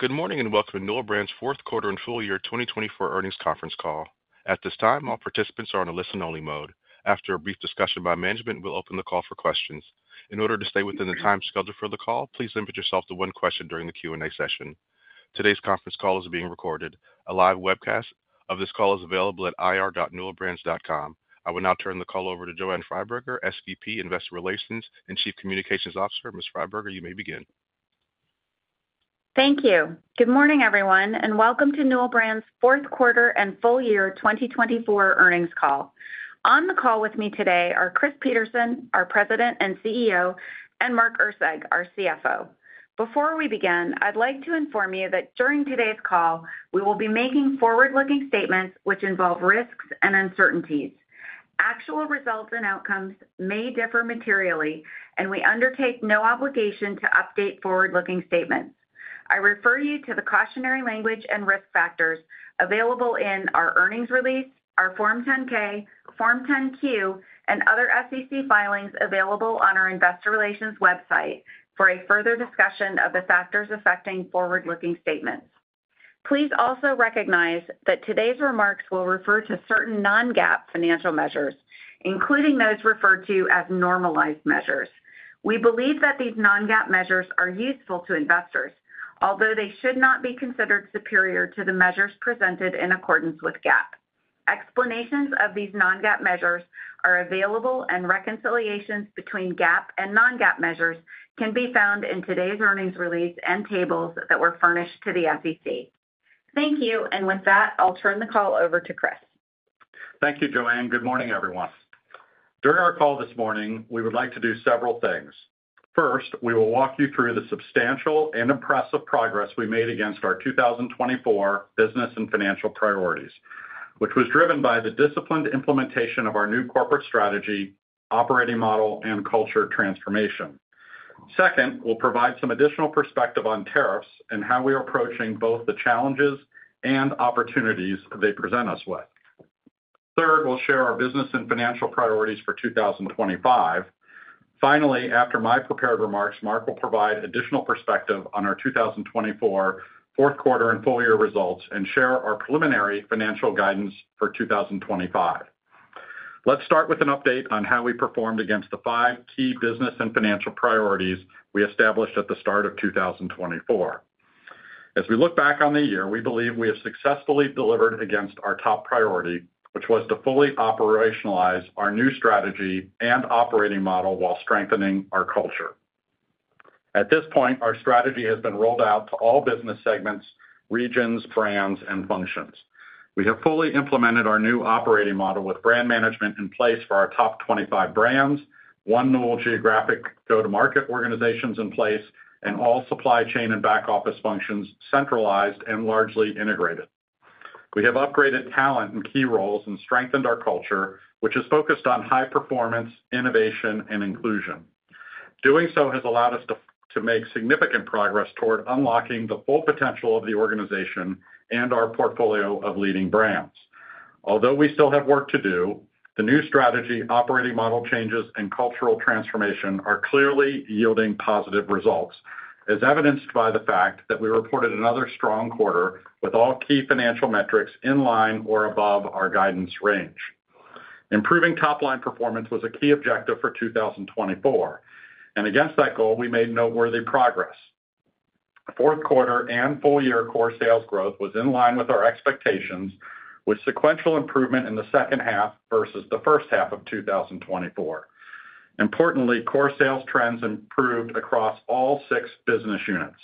Good morning and welcome to Newell Brands' Q4 and Full Year 2024 Earnings Conference Call. At this time, all participants are on a listen-only mode. After a brief discussion by management, we'll open the call for questions. In order to stay within the time scheduled for the call, please limit yourself to one question during the Q&A session. Today's conference call is being recorded. A live webcast of this call is available at ir.newellbrands.com. I will now turn the call over to Joanne Freiberger, SVP, Investor Relations and Chief Communications Officer. Ms. Freiberger, you may begin. Thank you. Good morning, everyone, and welcome to Newell Brands' Q4 and Full Year 2024 Earnings Call. On the call with me today are Chris Peterson, our President and CEO, and Mark Erceg, our CFO. Before we begin, I'd like to inform you that during today's call, we will be making forward-looking statements which involve risks and uncertainties. Actual results and outcomes may differ materially, and we undertake no obligation to update forward-looking statements. I refer you to the cautionary language and risk factors available in our earnings release, our Form 10-K, Form 10-Q, and other SEC filings available on our investor relations website for a further discussion of the factors affecting forward-looking statements. Please also recognize that today's remarks will refer to certain non-GAAP financial measures, including those referred to as normalized measures. We believe that these non-GAAP measures are useful to investors, although they should not be considered superior to the measures presented in accordance with GAAP. Explanations of these non-GAAP measures are available, and reconciliations between GAAP and non-GAAP measures can be found in today's earnings release and tables that were furnished to the SEC. Thank you. And with that, I'll turn the call over to Chris. Thank you, Joanne. Good morning, everyone. During our call this morning, we would like to do several things. First, we will walk you through the substantial and impressive progress we made against our 2024 business and financial priorities, which was driven by the disciplined implementation of our new corporate strategy, operating model, and culture transformation. Second, we'll provide some additional perspective on tariffs and how we are approaching both the challenges and opportunities they present us with. Third, we'll share our business and financial priorities for 2025. Finally, after my prepared remarks, Mark will provide additional perspective on our 2024 Q4 and Full Year Results and share our preliminary financial guidance for 2025. Let's start with an update on how we performed against the five key business and financial priorities we established at the start of 2024. As we look back on the year, we believe we have successfully delivered against our top priority, which was to fully operationalize our new strategy and operating model while strengthening our culture. At this point, our strategy has been rolled out to all business segments, regions, brands, and functions. We have fully implemented our new operating model with brand management in place for our top 25 brands, one new geographic go-to-market organizations in place, and all supply chain and back office functions centralized and largely integrated. We have upgraded talent and key roles and strengthened our culture, which is focused on high performance, innovation, and inclusion. Doing so has allowed us to make significant progress toward unlocking the full potential of the organization and our portfolio of leading brands. Although we still have work to do, the new strategy, operating model changes, and cultural transformation are clearly yielding positive results, as evidenced by the fact that we reported another strong quarter with all key financial metrics in line or above our guidance range. Improving top-line performance was a key objective for 2024, and against that goal, we made noteworthy progress. Q4 and full year Core Sales growth was in line with our expectations, with sequential improvement in the second half versus the first half of 2024. Importantly, Core Sales trends improved across all six business units,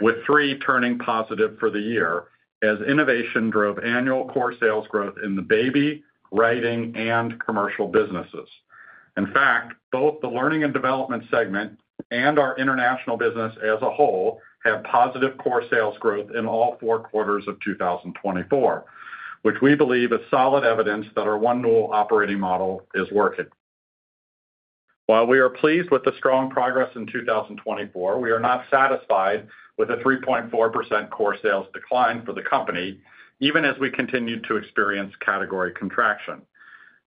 with three turning positive for the year, as innovation drove annual Core Sales growth in the baby, writing, and commercial businesses. In fact, both the learning and development segment and our international business as a whole had positive Core Sales growth in all four quarters of 2024, which we believe is solid evidence that our One Newell operating model is working. While we are pleased with the strong progress in 2024, we are not satisfied with a 3.4% Core Sales decline for the company, even as we continue to experience category contraction.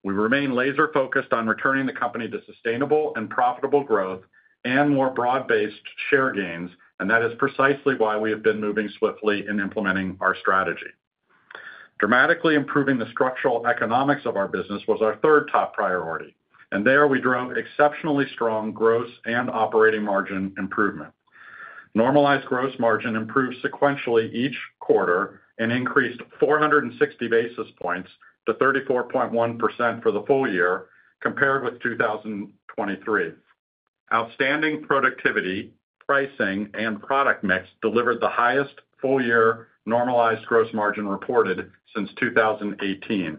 We remain laser-focused on returning the company to sustainable and profitable growth and more broad-based share gains, and that is precisely why we have been moving swiftly in implementing our strategy. Dramatically improving the structural economics of our business was our third top priority, and there we drove exceptionally strong gross and operating margin improvement. Normalized gross margin improved sequentially each quarter and increased 460 basis points to 34.1% for the full year compared with 2023. Outstanding productivity, pricing, and product mix delivered the highest full-year normalized gross margin reported since 2018.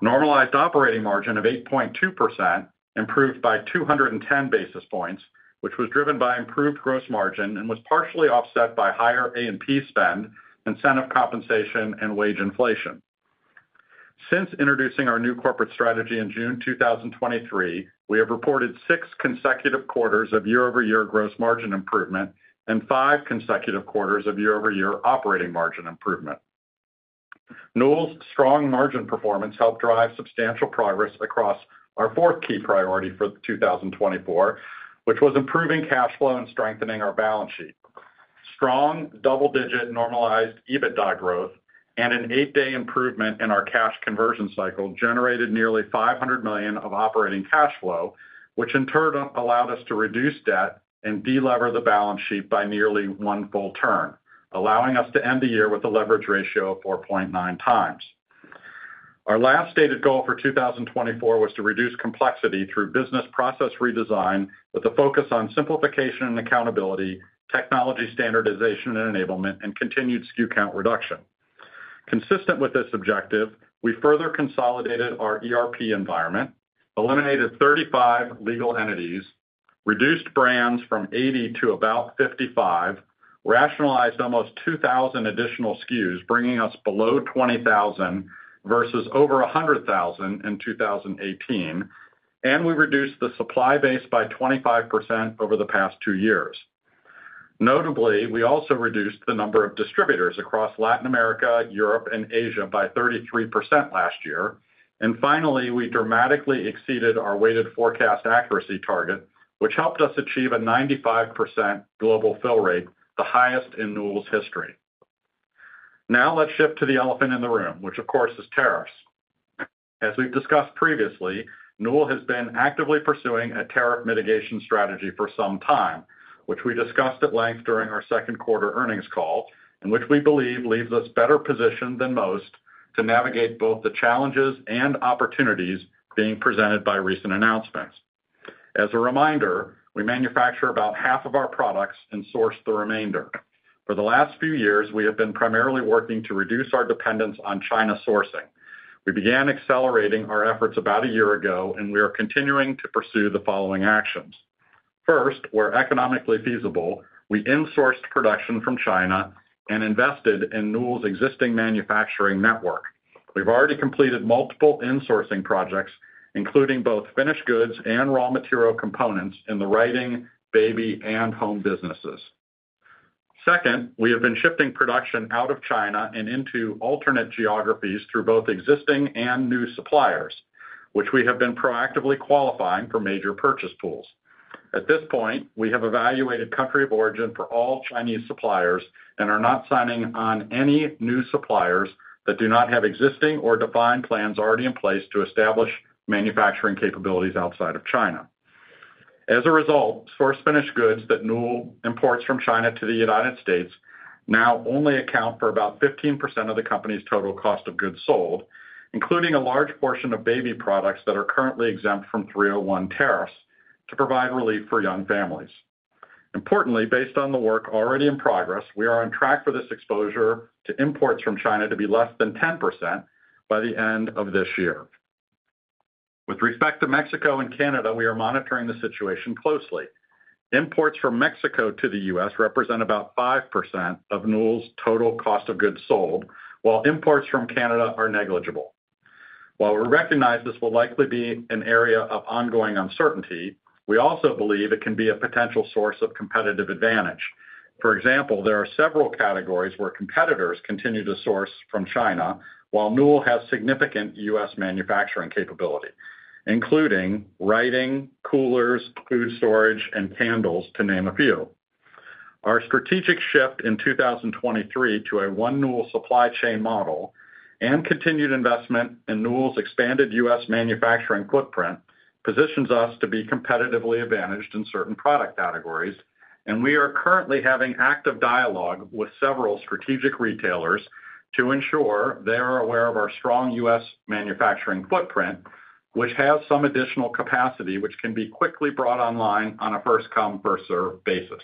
Normalized operating margin of 8.2% improved by 210 basis points, which was driven by improved gross margin and was partially offset by higher A&P spend, incentive compensation, and wage inflation. Since introducing our new corporate strategy in June 2023, we have reported six consecutive quarters of year-over-year gross margin improvement and five consecutive quarters of year-over-year operating margin improvement. Newell's strong margin performance helped drive substantial progress across our fourth key priority for 2024, which was improving cash flow and strengthening our balance sheet. Strong double-digit normalized EBITDA growth and an eight-day improvement in our cash conversion cycle generated nearly $500 million of operating cash flow, which in turn allowed us to reduce debt and deliver the balance sheet by nearly one full turn, allowing us to end the year with a leverage ratio of 4.9 times. Our last stated goal for 2024 was to reduce complexity through business process redesign with a focus on simplification and accountability, technology standardization and enablement, and continued SKU count reduction. Consistent with this objective, we further consolidated our ERP environment, eliminated 35 legal entities, reduced brands from 80 to about 55, rationalized almost 2,000 additional SKUs, bringing us below 20,000 versus over 100,000 in 2018, and we reduced the supply base by 25% over the past two years. Notably, we also reduced the number of distributors across Latin America, Europe, and Asia by 33% last year. Finally, we dramatically exceeded our weighted forecast accuracy target, which helped us achieve a 95% global fill rate, the highest in Newell Brands' history. Now let's shift to the elephant in the room, which of course is tariffs. As we've discussed previously, Newell Brands has been actively pursuing a tariff mitigation strategy for some time, which we discussed at length during our Q2 earnings call, and which we believe leaves us better positioned than most to navigate both the challenges and opportunities being presented by recent announcements. As a reminder, we manufacture about half of our products and source the remainder. For the last few years, we have been primarily working to reduce our dependence on China sourcing. We began accelerating our efforts about a year ago, and we are continuing to pursue the following actions. First, where economically feasible, we insourced production from China and invested in Newell's existing manufacturing network. We've already completed multiple insourcing projects, including both finished goods and raw material components in the writing, baby, and home businesses. Second, we have been shifting production out of China and into alternate geographies through both existing and new suppliers, which we have been proactively qualifying for major purchase pools. At this point, we have evaluated country of origin for all chinese suppliers and are not signing on any new suppliers that do not have existing or defined plans already in place to establish manufacturing capabilities outside of China. As a result, source finished goods that Newell imports from China to the United States now only account for about 15% of the company's total cost of goods sold, including a large portion of baby products that are currently exempt from 301 tariffs to provide relief for young families. Importantly, based on the work already in progress, we are on track for this exposure to imports from China to be less than 10% by the end of this year. With respect to Mexico and Canada, we are monitoring the situation closely. Imports from Mexico to the U.S. represent about 5% of Newell's total cost of goods sold, while imports from Canada are negligible. While we recognize this will likely be an area of ongoing uncertainty, we also believe it can be a potential source of competitive advantage. For example, there are several categories where competitors continue to source from China, while Newell has significant U.S. manufacturing capability, including writing, coolers, food storage, and candles, to name a few. Our strategic shift in 2023 to a One Newell supply chain model and continued investment in Newell's expanded U.S. manufacturing footprint positions us to be competitively advantaged in certain product categories, and we are currently having active dialogue with several strategic retailers to ensure they are aware of our strong U.S. manufacturing footprint, which has some additional capacity which can be quickly brought online on a first-come, first-served basis.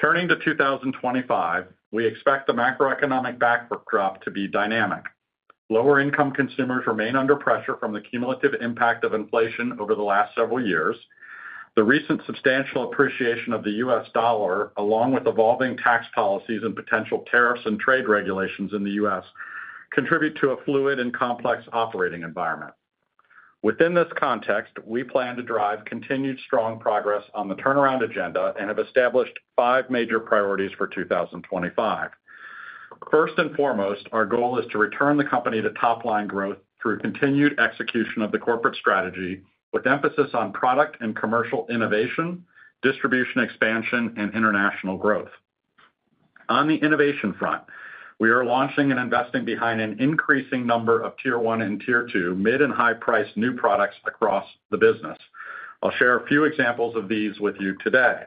Turning to 2025, we expect the macroeconomic backdrop to be dynamic. Lower-income consumers remain under pressure from the cumulative impact of inflation over the last several years. The recent substantial appreciation of the U.S. Dollar, along with evolving tax policies and potential tariffs and trade regulations in the U.S., contribute to a fluid and complex operating environment. Within this context, we plan to drive continued strong progress on the turnaround agenda and have established five major priorities for 2025. First and foremost, our goal is to return the company to top-line growth through continued execution of the corporate strategy, with emphasis on product and commercial innovation, distribution expansion, and international growth. On the innovation front, we are launching and investing behind an increasing number of tier one and tier two mid and high-priced new products across the business. I'll share a few examples of these with you today.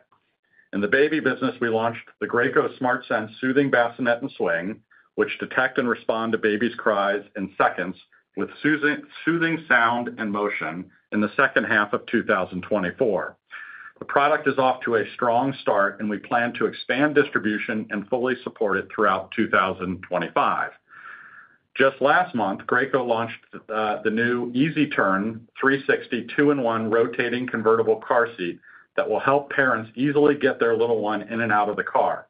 In the baby business, we launched the Graco SmartSense soothing bassinet and swing, which detect and respond to babies' cries in seconds with soothing sound and motion in the second half of 2024.The product is off to a strong start, and we plan to expand distribution and fully support it throughout 2025. Just last month, Graco launched the new EasyTurn 360 2-in-1 rotating convertible car seat that will help parents easily get their little one in and out of the car.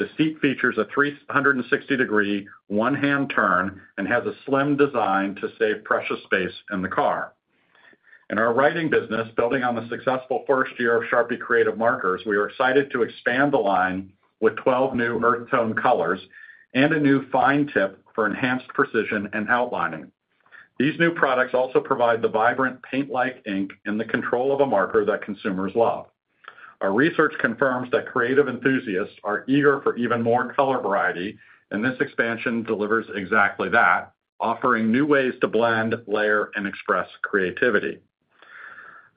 The seat features a 360-degree one-hand turn and has a slim design to save precious space in the car. In our writing business, building on the successful first year of Sharpie Creative Markers, we are excited to expand the line with 12 new earth tone colors and a new fine tip for enhanced precision and outlining. These new products also provide the vibrant paint-like ink and the control of a marker that consumers love. Our research confirms that creative enthusiasts are eager for even more color variety, and this expansion delivers exactly that, offering new ways to blend, layer, and express creativity.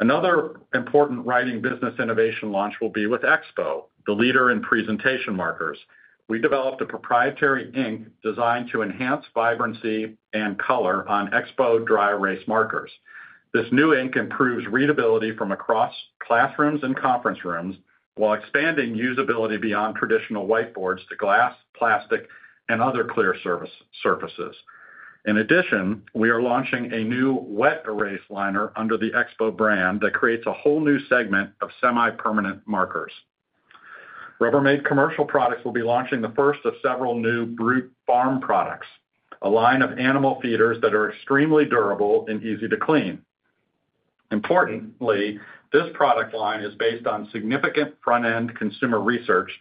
Another important writing business innovation launch will be with Expo, the leader in presentation markers. We developed a proprietary ink designed to enhance vibrancy and color on Expo dry erase markers. This new ink improves readability from across classrooms and conference rooms while expanding usability beyond traditional whiteboards to glass, plastic, and other clear surfaces. In addition, we are launching a new wet erase liner under the Expo brand that creates a whole new segment of semi-permanent markers. Rubbermaid Commercial Products will be launching the first of several new Brute farm products, a line of animal feeders that are extremely durable and easy to clean. Importantly, this product line is based on significant front-end consumer research,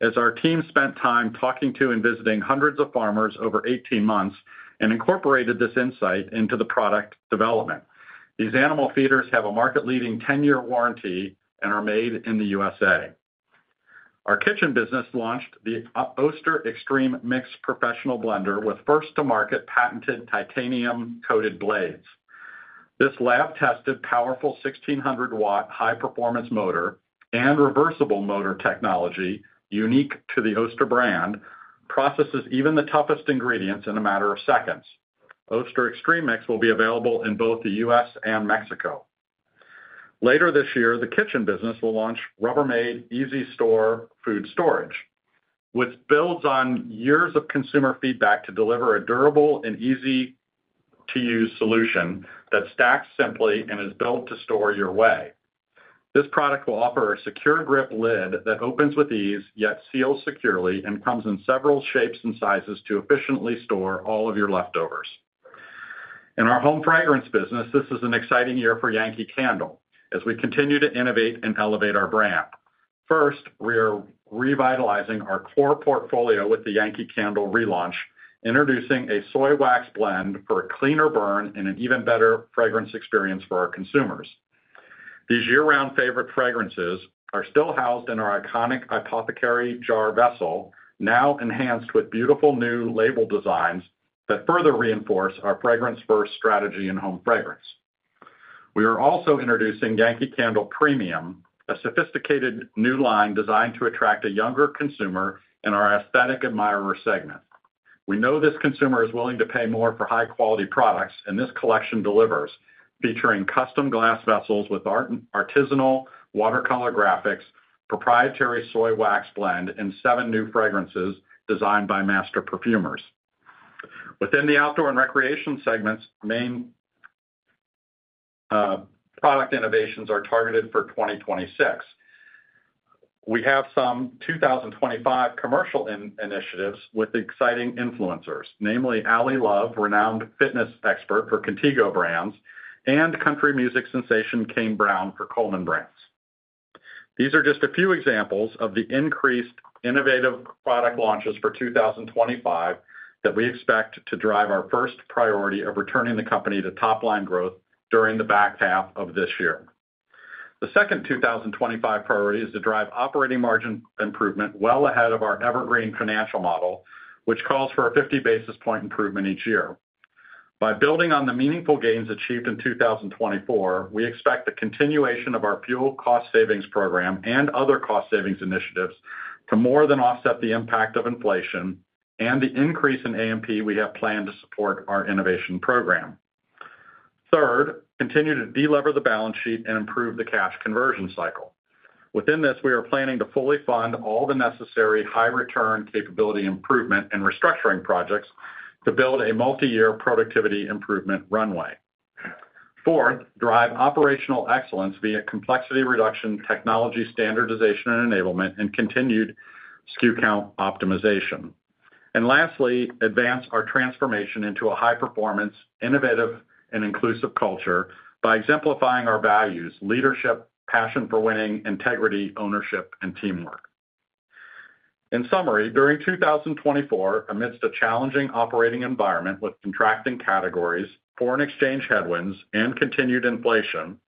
as our team spent time talking to and visiting hundreds of farmers over 18 months and incorporated this insight into the product development. These animal feeders have a market-leading 10-year warranty and are made in the U.S. Our kitchen business launched the Oster Extreme Mix Professional Blender with first-to-market patented titanium-coated blades. This lab-tested, powerful 1,600-watt high-performance motor and reversible motor technology, unique to the Oster brand, processes even the toughest ingredients in a matter of seconds. Oster Extreme Mix will be available in both the U.S. and Mexico. Later this year, the kitchen business will launch Rubbermaid EasyStore Food Storage, which builds on years of consumer feedback to deliver a durable and easy-to-use solution that stacks simply and is built to store your way. This product will offer a secure grip lid that opens with ease, yet seals securely and comes in several shapes and sizes to efficiently store all of your leftovers. In our home fragrance business, this is an exciting year for Yankee Candle as we continue to innovate and elevate our brand. First, we are revitalizing our core portfolio with the Yankee Candle relaunch, introducing a soy wax blend for a cleaner burn and an even better fragrance experience for our consumers. These year-round favorite fragrances are still housed in our iconic apothecary jar vessel, now enhanced with beautiful new label designs that further reinforce our fragrance-first strategy in home fragrance. We are also introducing Yankee Candle Premium, a sophisticated new line designed to attract a younger consumer in our aesthetic admirer segment. We know this consumer is willing to pay more for high-quality products, and this collection delivers, featuring custom glass vessels with artisanal watercolor graphics, proprietary soy wax blend, and seven new fragrances designed by master perfumers. Within the outdoor and recreation segments, main product innovations are targeted for 2026. We have some 2025 commercial initiatives with exciting influencers, namely Ally Love, renowned fitness expert for Contigo Brands, and country music sensation Kane Brown for Coleman Brands. These are just a few examples of the increased innovative product launches for 2025 that we expect to drive our first priority of returning the company to top-line growth during the back half of this year. The second 2025 priority is to drive operating margin improvement well ahead of our evergreen financial model, which calls for a 50 basis point improvement each year. By building on the meaningful gains achieved in 2024, we expect the continuation of our fuel cost savings program and other cost savings initiatives to more than offset the impact of inflation and the increase in A&P we have planned to support our innovation program. Third, continue to deliver the balance sheet and improve the cash conversion cycle. Within this, we are planning to fully fund all the necessary high-return capability improvement and restructuring projects to build a multi-year productivity improvement runway. Fourth, drive operational excellence via complexity reduction, technology standardization and enablement, and continued SKU count optimization. And lastly, advance our transformation into a high-performance, innovative, and inclusive culture by exemplifying our values: leadership, passion for winning, integrity, ownership, and teamwork. In summary, during 2024, amidst a challenging operating environment with contracting categories, foreign exchange headwinds, and continued inflation,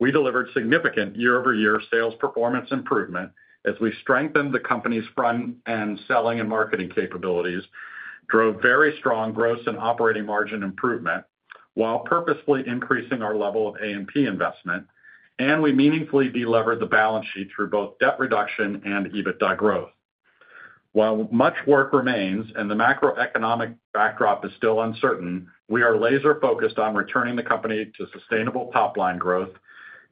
we delivered significant year-over-year sales performance improvement as we strengthened the company's front-end selling and marketing capabilities, drove very strong gross and operating margin improvement while purposefully increasing our level of A&P investment, and we meaningfully delivered the balance sheet through both debt reduction and EBITDA growth. While much work remains and the macroeconomic backdrop is still uncertain, we are laser-focused on returning the company to sustainable top-line growth,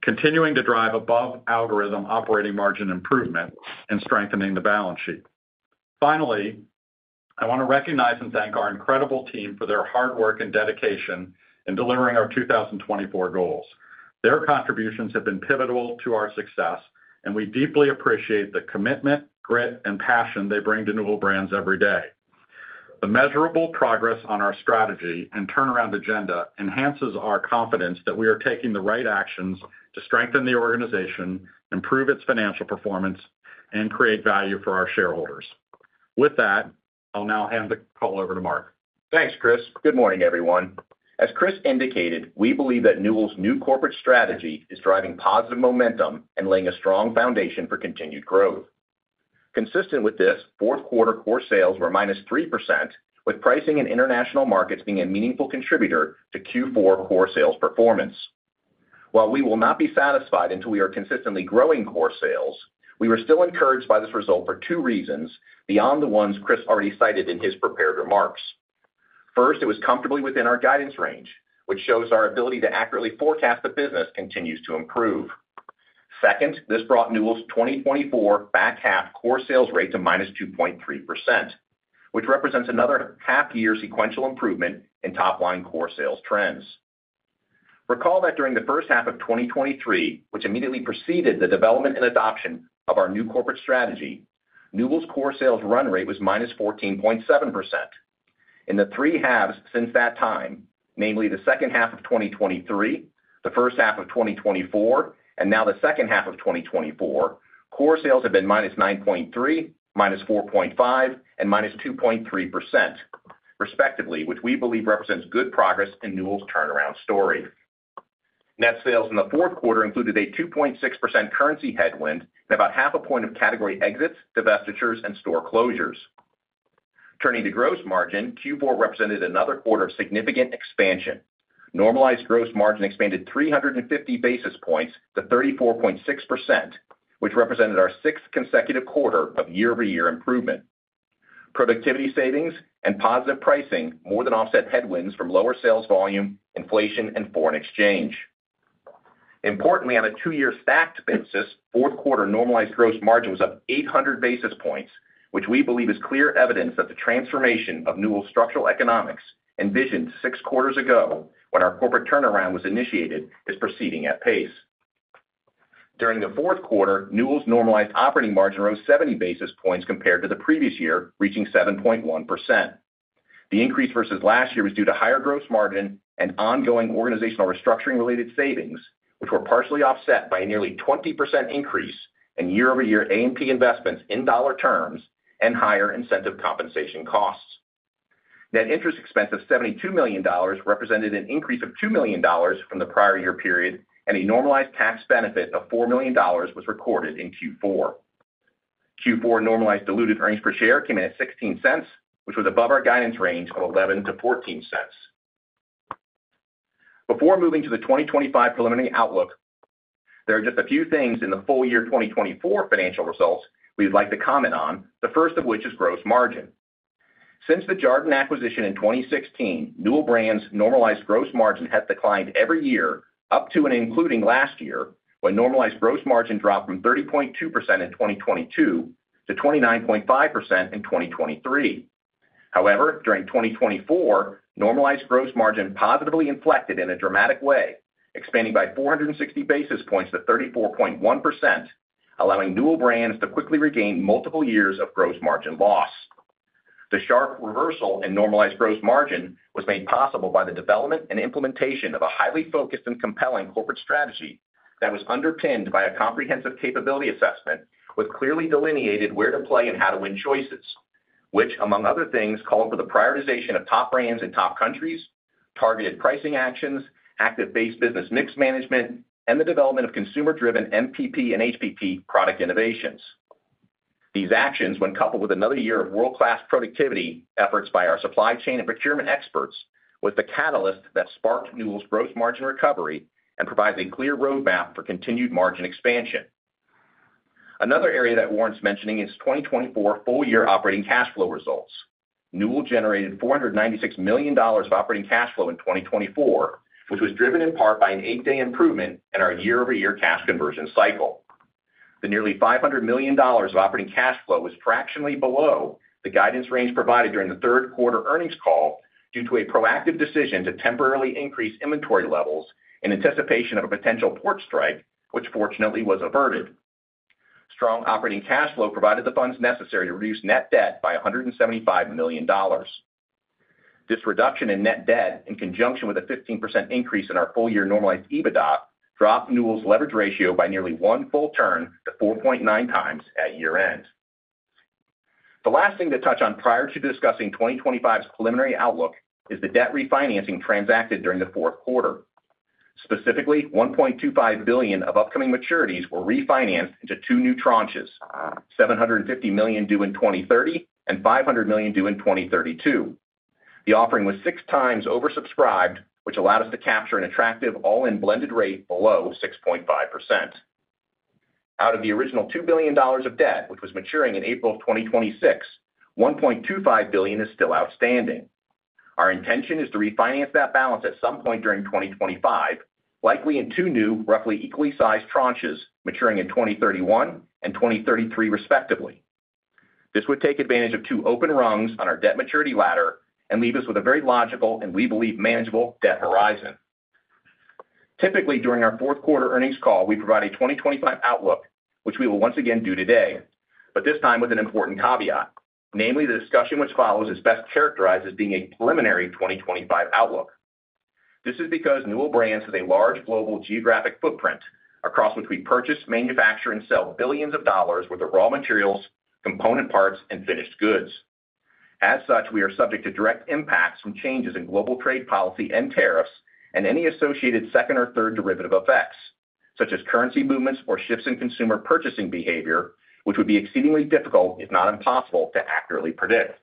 continuing to drive above-algorithm operating margin improvement, and strengthening the balance sheet. Finally, I want to recognize and thank our incredible team for their hard work and dedication in delivering our 2024 goals. Their contributions have been pivotal to our success, and we deeply appreciate the commitment, grit, and passion they bring to Newell Brands every day. The measurable progress on our strategy and turnaround agenda enhances our confidence that we are taking the right actions to strengthen the organization, improve its financial performance, and create value for our shareholders. With that, I'll now hand the call over to Mark. Thanks, Chris. Good morning, everyone. As Chris indicated, we believe that Newell's new corporate strategy is driving positive momentum and laying a strong foundation for continued growth. Consistent with this, Q4 Core Sales were -3%, with pricing and international markets being a meaningful contributor to Q4 Core Sales performance. While we will not be satisfied until we are consistently growing Core Sales, we were still encouraged by this result for two reasons beyond the ones Chris already cited in his prepared remarks. First, it was comfortably within our guidance range, which shows our ability to accurately forecast the business continues to improve. Second, this brought Newell's 2024 back half Core Sales rate to -2.3%, which represents another half-year sequential improvement in top-line Core Sales trends. Recall that during the first half of 2023, which immediately preceded the development and adoption of our new corporate strategy, Newell's Core Sales run rate was -14.7%. In the three halves since that time, namely the second half of 2023, the first half of 2024, and now the second half of 2024, Core Sales have been -9.3%, -4.5%, and -2.3%, respectively, which we believe represents good progress in Newell's turnaround story. Net sales in the Q4 included a 2.6% currency headwind and about 0.5 point of category exits, divestitures, and store closures. Turning to gross margin, Q4 represented another quarter of significant expansion. Normalized gross margin expanded 350 basis points to 34.6%, which represented our sixth consecutive quarter of year-over-year improvement. Productivity savings and positive pricing more than offset headwinds from lower sales volume, inflation, and foreign exchange. Importantly, on a two-year stacked basis, Q4 normalized gross margin was up 800 basis points, which we believe is clear evidence that the transformation of Newell's structural economics envisioned six quarters ago when our corporate turnaround was initiated is proceeding at pace. During the Q4, Newell's normalized operating margin rose 70 basis points compared to the previous year, reaching 7.1%. The increase versus last year was due to higher gross margin and ongoing organizational restructuring-related savings, which were partially offset by a nearly 20% increase in year-over-year A&P investments in dollar terms and higher incentive compensation costs. Net interest expense of $72 million represented an increase of $2 million from the prior year period, and a normalized tax benefit of $4 million was recorded in Q4. Q4 normalized diluted earnings per share came in at $0.16, which was above our guidance range of $0.11-$0.14. Before moving to the 2025 preliminary outlook, there are just a few things in the full year 2024 financial results we'd like to comment on, the first of which is gross margin. Since the Jarden acquisition in 2016, Newell Brands' normalized gross margin has declined every year up to and including last year, when normalized gross margin dropped from 30.2% in 2022 to 29.5% in 2023. However, during 2024, normalized gross margin positively inflected in a dramatic way, expanding by 460 basis points to 34.1%, allowing Newell Brands to quickly regain multiple years of gross margin loss. The sharp reversal in normalized gross margin was made possible by the development and implementation of a highly focused and compelling corporate strategy that was underpinned by a comprehensive capability assessment with clearly delineated where to play and how to win choices, which, among other things, called for the prioritization of top brands and top countries, targeted pricing actions, activity-based business mix management, and the development of consumer-driven MPP and HPP product innovations. These actions, when coupled with another year of world-class productivity efforts by our supply chain and procurement experts, were the catalyst that sparked Newell's gross margin recovery and provided a clear roadmap for continued margin expansion. Another area that warrants mentioning is 2024 full-year operating cash flow results. Newell generated $496 million of operating cash flow in 2024, which was driven in part by an eight-day improvement in our year-over-year cash conversion cycle. The nearly $500 million of operating cash flow was fractionally below the guidance range provided during the Q3 earnings call due to a proactive decision to temporarily increase inventory levels in anticipation of a potential port strike, which fortunately was averted. Strong operating cash flow provided the funds necessary to reduce net debt by $175 million. This reduction in net debt, in conjunction with a 15% increase in our full-year normalized EBITDA, dropped Newell's leverage ratio by nearly one full turn to 4.9 times at year-end. The last thing to touch on prior to discussing 2025's preliminary outlook is the debt refinancing transacted during the Q4. Specifically, $1.25 billion of upcoming maturities were refinanced into two new tranches: $750 million due in 2030 and $500 million due in 2032. The offering was six times oversubscribed, which allowed us to capture an attractive all-in blended rate below 6.5%.Out of the original $2 billion of debt, which was maturing in April of 2026, $1.25 billion is still outstanding. Our intention is to refinance that balance at some point during 2025, likely in two new, roughly equally sized tranches maturing in 2031 and 2033, respectively. This would take advantage of two open rungs on our debt maturity ladder and leave us with a very logical and, we believe, manageable debt horizon. Typically, during our Q4 earnings call, we provide a 2025 outlook, which we will once again do today, but this time with an important caveat, namely the discussion which follows is best characterized as being a preliminary 2025 outlook. This is because Newell Brands has a large global geographic footprint across which we purchase, manufacture, and sell billions of dollars worth of raw materials, component parts, and finished goods. As such, we are subject to direct impacts from changes in global trade policy and tariffs and any associated second or third derivative effects, such as currency movements or shifts in consumer purchasing behavior, which would be exceedingly difficult, if not impossible, to accurately predict.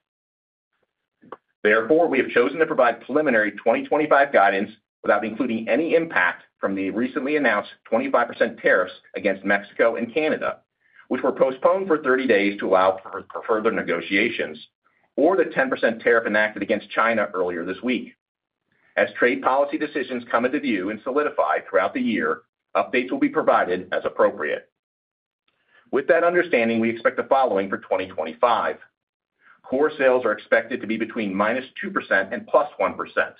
Therefore, we have chosen to provide preliminary 2025 guidance without including any impact from the recently announced 25% tariffs against Mexico and Canada, which were postponed for 30 days to allow for further negotiations, or the 10% tariff enacted against China earlier this week. As trade policy decisions come into view and solidify throughout the year, updates will be provided as appropriate. With that understanding, we expect the following for 2025: Core Sales are expected to be between -2% and +1%.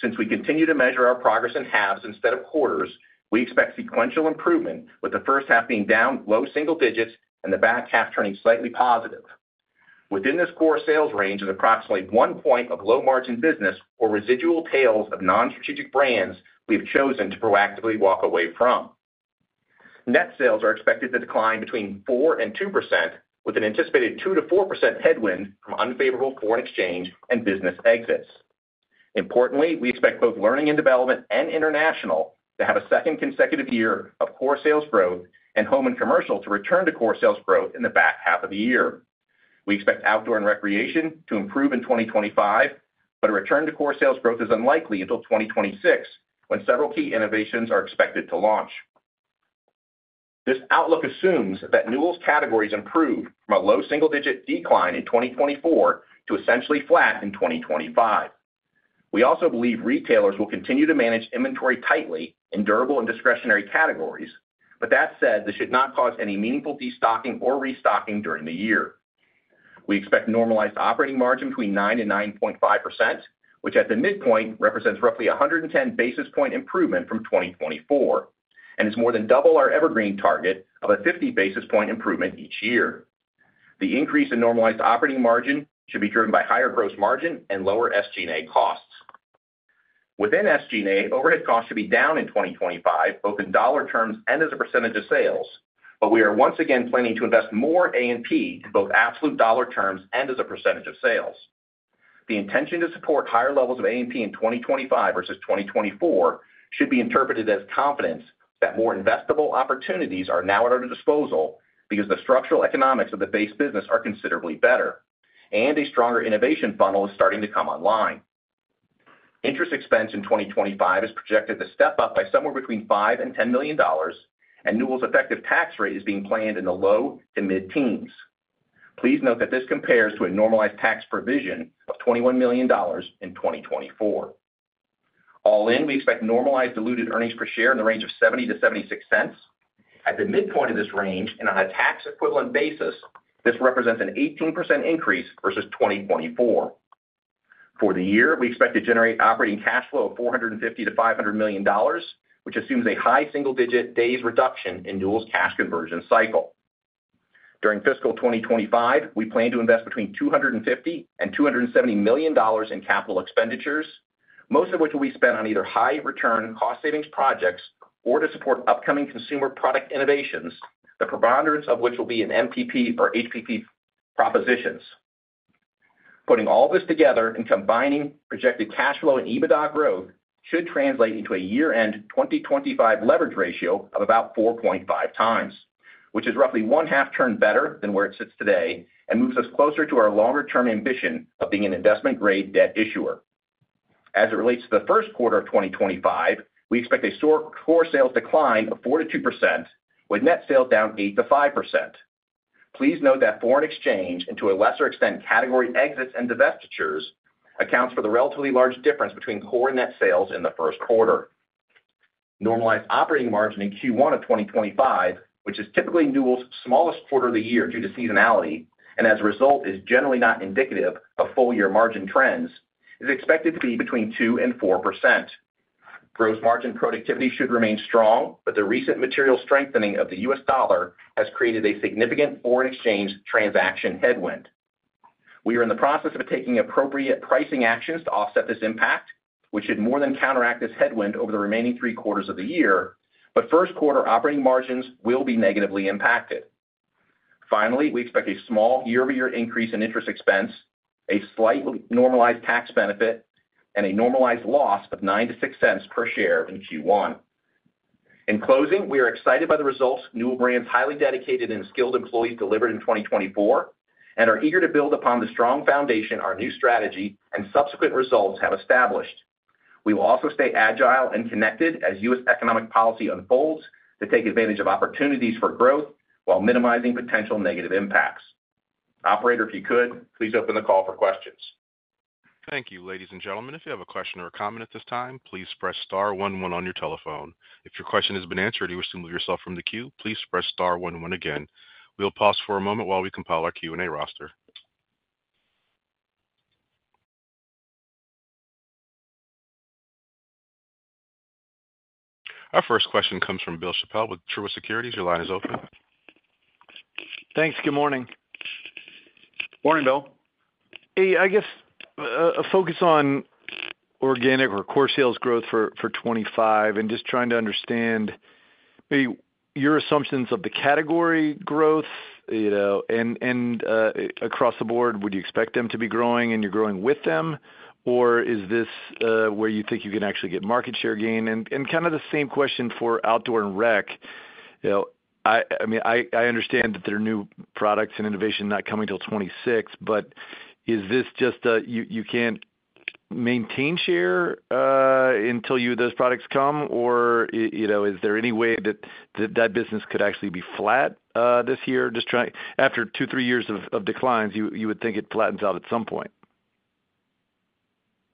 Since we continue to measure our progress in halves instead of quarters, we expect sequential improvement, with the first half being down low single digits and the back half turning slightly positive. Within this Core Sales range is approximately one point of low-margin business or residual tails of non-strategic brands we have chosen to proactively walk away from. Net sales are expected to decline between 4% and 2%, with an anticipated 2% to 4% headwind from unfavorable foreign exchange and business exits. Importantly, we expect both learning and development and international to have a second consecutive year of Core Sales growth and home and commercial to return to Core Sales growth in the back half of the year. We expect outdoor and recreation to improve in 2025, but a return to Core Sales growth is unlikely until 2026, when several key innovations are expected to launch. This outlook assumes that Newell's categories improve from a low single-digit decline in 2024 to essentially flat in 2025. We also believe retailers will continue to manage inventory tightly in durable and discretionary categories, but that said, this should not cause any meaningful destocking or restocking during the year. We expect normalized operating margin between 9% to9.5%, which at the midpoint represents roughly 110 basis point improvement from 2024 and is more than double our evergreen target of a 50 basis point improvement each year. The increase in normalized operating margin should be driven by higher gross margin and lower SG&A costs. Within SG&A, overhead costs should be down in 2025, both in dollar terms and as a percentage of sales, but we are once again planning to invest more A&P in both absolute dollar terms and as a percentage of sales. The intention to support higher levels of A&P in 2025 versus 2024 should be interpreted as confidence that more investable opportunities are now at our disposal because the structural economics of the base business are considerably better, and a stronger innovation funnel is starting to come online. Interest expense in 2025 is projected to step up by somewhere between $5-$10 million, and Newell's effective tax rate is being planned in the low to mid-teens. Please note that this compares to a normalized tax provision of $21 million in 2024. All in, we expect normalized diluted earnings per share in the range of $0.70-$0.76. At the midpoint of this range, and on a tax-equivalent basis, this represents an 18% increase versus 2024.For the year, we expect to generate operating cash flow of $450-$500 million, which assumes a high single-digit days reduction in Newell's cash conversion cycle. During fiscal 2025, we plan to invest between $250 and $270 million in capital expenditures, most of which will be spent on either high-return cost-savings projects or to support upcoming consumer product innovations, the preponderance of which will be in MPP or HPP propositions. Putting all this together and combining projected cash flow and EBITDA growth should translate into a year-end 2025 leverage ratio of about 4.5 times, which is roughly one-half turn better than where it sits today and moves us closer to our longer-term ambition of being an investment-grade debt issuer. As it relates to the Q1 of 2025, we expect a Core Sales decline of 4% to 2%, with net sales down 8% to 5%. Please note that foreign exchange, and to a lesser extent, category exits and divestitures accounts for the relatively large difference between core and net sales in the Q1. Normalized operating margin in Q1 of 2025, which is typically Newell's smallest quarter of the year due to seasonality and, as a result, is generally not indicative of full-year margin trends, is expected to be between 2% and 4%. Gross margin productivity should remain strong, but the recent material strengthening of the U.S. dollar has created a significant foreign exchange transaction headwind. We are in the process of taking appropriate pricing actions to offset this impact, which should more than counteract this headwind over the remaining three quarters of the year, but Q1 operating margins will be negatively impacted. Finally, we expect a small year-over-year increase in interest expense, a slight normalized tax benefit, and a normalized loss of $0.09-$0.06 per share in Q1. In closing, we are excited by the results Newell Brands' highly dedicated and skilled employees delivered in 2024 and are eager to build upon the strong foundation our new strategy and subsequent results have established. We will also stay agile and connected as U.S. economic policy unfolds to take advantage of opportunities for growth while minimizing potential negative impacts. Operator, if you could, please open the call for questions. Thank you, ladies and gentlemen. If you have a question or a comment at this time, please press star one one on your telephone. If your question has been answered or you wish to move yourself from the queue, please press star one one again. We'll pause for a moment while we compile our Q&A roster. Our first question comes from Bill Chappell with Truist Securities. Your line is open. Thanks. Good morning. Morning, Bill. Hey, I guess a focus on organic or Core Sales growth for 2025 and just trying to understand maybe your assumptions of the category growth, you know, and across the board, would you expect them to be growing and you're growing with them, or is this where you think you can actually get market share gain? And kind of the same question for outdoor and rec. I mean, I understand that there are new products and innovations not coming till 2026, but is this just a you can't maintain share until those products come, or is there any way that that business could actually be flat this year? Just trying after two, three years of declines, you would think it flattens out at some point.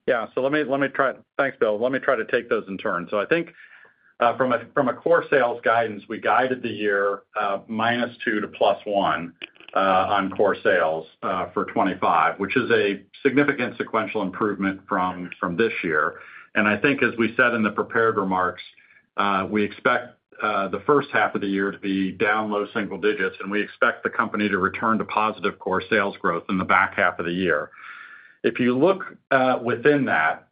Yeah. So let me try to, thanks, Bill. Let me try to take those in turn. So I think from a Core Sales guidance, we guided the year -2% to +1% on Core Sales for 2025, which is a significant sequential improvement from this year. And I think, as we said in the prepared remarks, we expect the first half of the year to be down low single digits, and we expect the company to return to positive Core Sales growth in the back half of the year. If you look within that,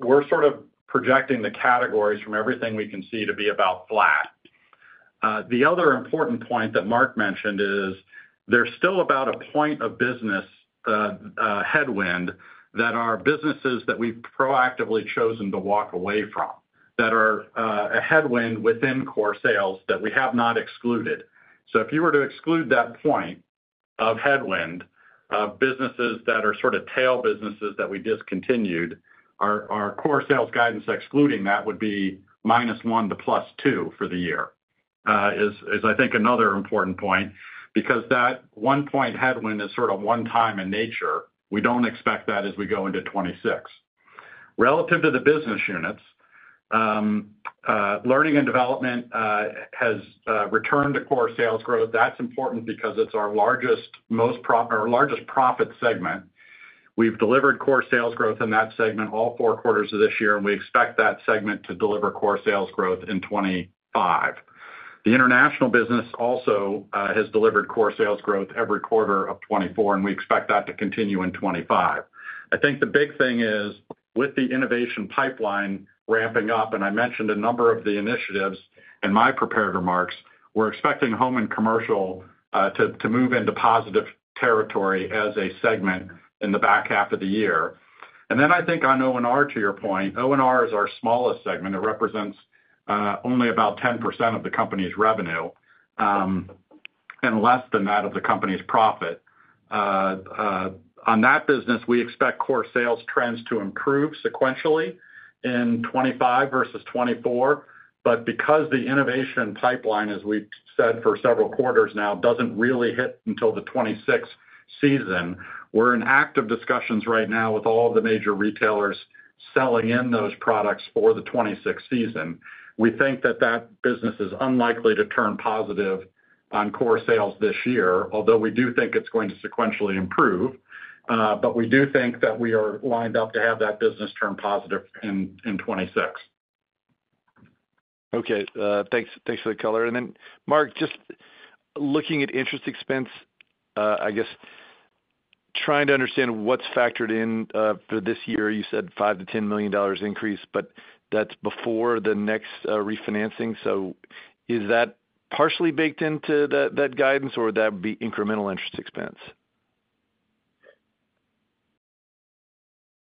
we're sort of projecting the categories from everything we can see to be about flat. The other important point that Mark mentioned is there's still about a point of business headwind that are businesses that we've proactively chosen to walk away from that are a headwind within Core Sales that we have not excluded. If you were to exclude that one-point headwind of businesses that are sort of tail businesses that we discontinued, our Core Sales guidance excluding that would be -1% to +2% for the year. That, I think, is another important point because that one-point headwind is sort of one-time in nature. We don't expect that as we go into 2026. Relative to the business units, Learning and Development has returned to Core Sales growth. That's important because it's our largest, most—our largest profit segment. We've delivered Core Sales growth in that segment all four quarters of this year, and we expect that segment to deliver Core Sales growth in 2025. The international business also has delivered Core Sales growth every quarter of 2024, and we expect that to continue in 2025.I think the big thing is with the innovation pipeline ramping up, and I mentioned a number of the initiatives in my prepared remarks. We're expecting home and commercial to move into positive territory as a segment in the back half of the year, and then I think on ONR, to your point, ONR is our smallest segment. It represents only about 10% of the company's revenue and less than that of the company's profit. On that business, we expect Core Sales trends to improve sequentially in 2025 versus 2024, but because the innovation pipeline, as we've said for several quarters now, doesn't really hit until the 2026 season, we're in active discussions right now with all of the major retailers selling in those products for the 2026 season. We think that that business is unlikely to turn positive on Core Sales this year, although we do think it's going to sequentially improve, but we do think that we are lined up to have that business turn positive in 2026. Okay. Thanks for the color. And then, Mark, just looking at interest expense, I guess trying to understand what's factored in for this year, you said $5-$10 million increase, but that's before the next refinancing. So is that partially baked into that guidance, or would that be incremental interest expense?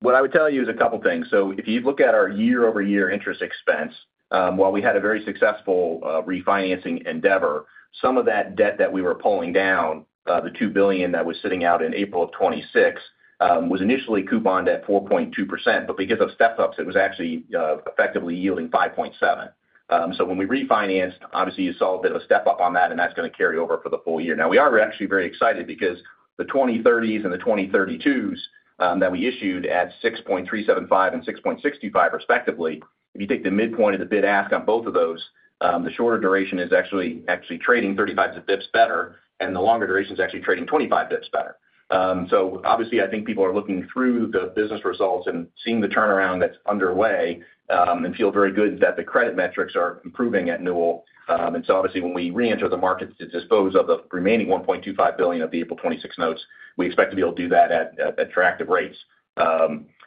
What I would tell you is a couple of things. So if you look at our year-over-year interest expense, while we had a very successful refinancing endeavor, some of that debt that we were pulling down, the $2 billion that was sitting out in April of 2026, was initially couponed at 4.2%, but because of step-ups, it was actually effectively yielding 5.7%. So when we refinanced, obviously, you saw a bit of a step-up on that, and that's going to carry over for the full year. Now, we are actually very excited because the 2030s and the 2032s that we issued at 6.375% and 6.625% respectively, if you take the midpoint of the bid-ask on both of those, the shorter duration is actually trading 35 basis points better, and the longer duration is actually trading 25 basis points better. So obviously, I think people are looking through the business results and seeing the turnaround that's underway and feel very good that the credit metrics are improving at Newell. And so obviously, when we re-enter the market to dispose of the remaining $1.25 billion of the April 2026 notes, we expect to be able to do that at attractive rates.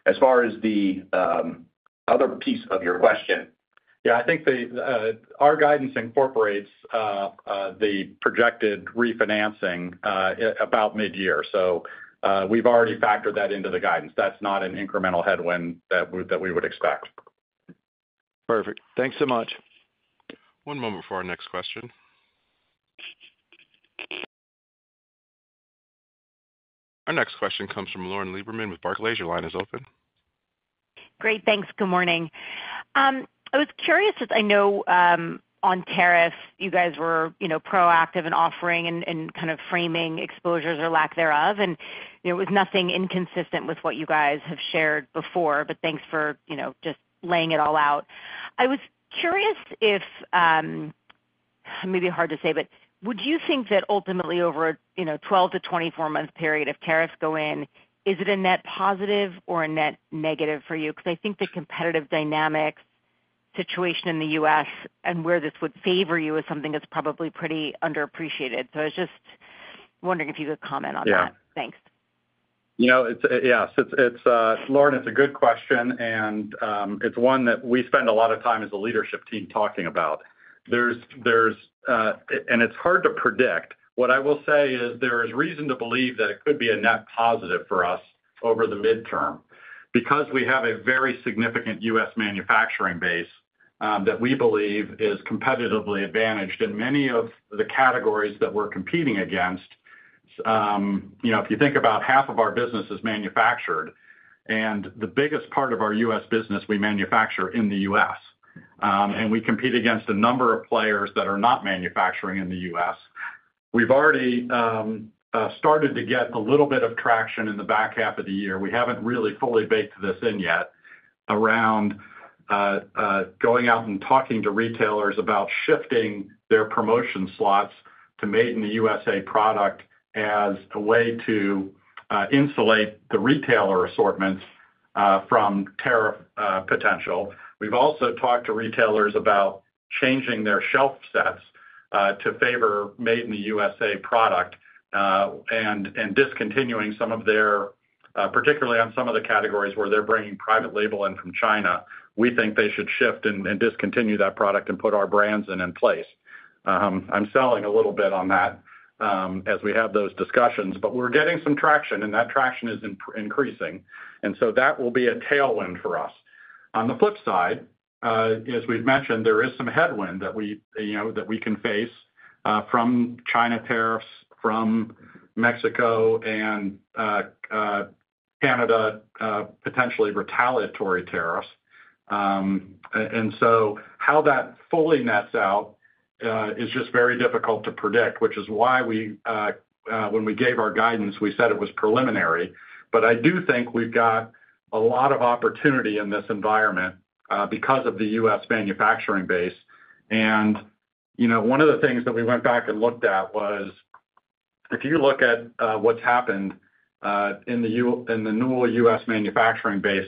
As far as the other piece of your question. I think our guidance incorporates the projected refinancing about mid-year. So we've already factored that into the guidance. That's not an incremental headwind that we would expect. Perfect. Thanks so much. One moment for our next question. Our next question comes from Lauren Lieberman with Barclays. Your line is open. Great. Thanks. Good morning. I was curious because I know on tariffs you guys were proactive in offering and kind of framing exposures or lack thereof, and it was nothing inconsistent with what you guys have shared before, but thanks for just laying it all out. I was curious if maybe hard to say, but would you think that ultimately, over a 12-24-month period, if tariffs go in, is it a net positive or a net negative for you? Because I think the competitive dynamics situation in the U.S. and where this would favor you is something that's probably pretty underappreciated. So I was just wondering if you could comment on that. Yeah. Thanks. Yeah. Lauren, it's a good question, and it's one that we spend a lot of time as a leadership team talking about. And it's hard to predict. What I will say is there is reason to believe that it could be a net positive for us over the midterm because we have a very significant U.S. manufacturing base that we believe is competitively advantaged in many of the categories that we're competing against. If you think about half of our business is manufactured, and the biggest part of our U.S. business, we manufacture in the U.S., and we compete against a number of players that are not manufacturing in the U.S., we've already started to get a little bit of traction in the back half of the year. We haven't really fully baked this in yet around going out and talking to retailers about shifting their promotion slots to made-in-the-USA product as a way to insulate the retailer assortments from tariff potential. We've also talked to retailers about changing their shelf sets to favor made-in-the-USA product and discontinuing some of their, particularly on some of the categories where they're bringing private label in from China. We think they should shift and discontinue that product and put our brands in place. I'm selling a little bit on that as we have those discussions, but we're getting some traction, and that traction is increasing. And so that will be a tailwind for us. On the flip side, as we've mentioned, there is some headwind that we can face from China tariffs, from Mexico and Canada potentially retaliatory tariffs. And so how that fully nets out is just very difficult to predict, which is why when we gave our guidance, we said it was preliminary. But I do think we've got a lot of opportunity in this environment because of the U.S. manufacturing base. And one of the things that we went back and looked at was if you look at what's happened in the Newell U.S. manufacturing base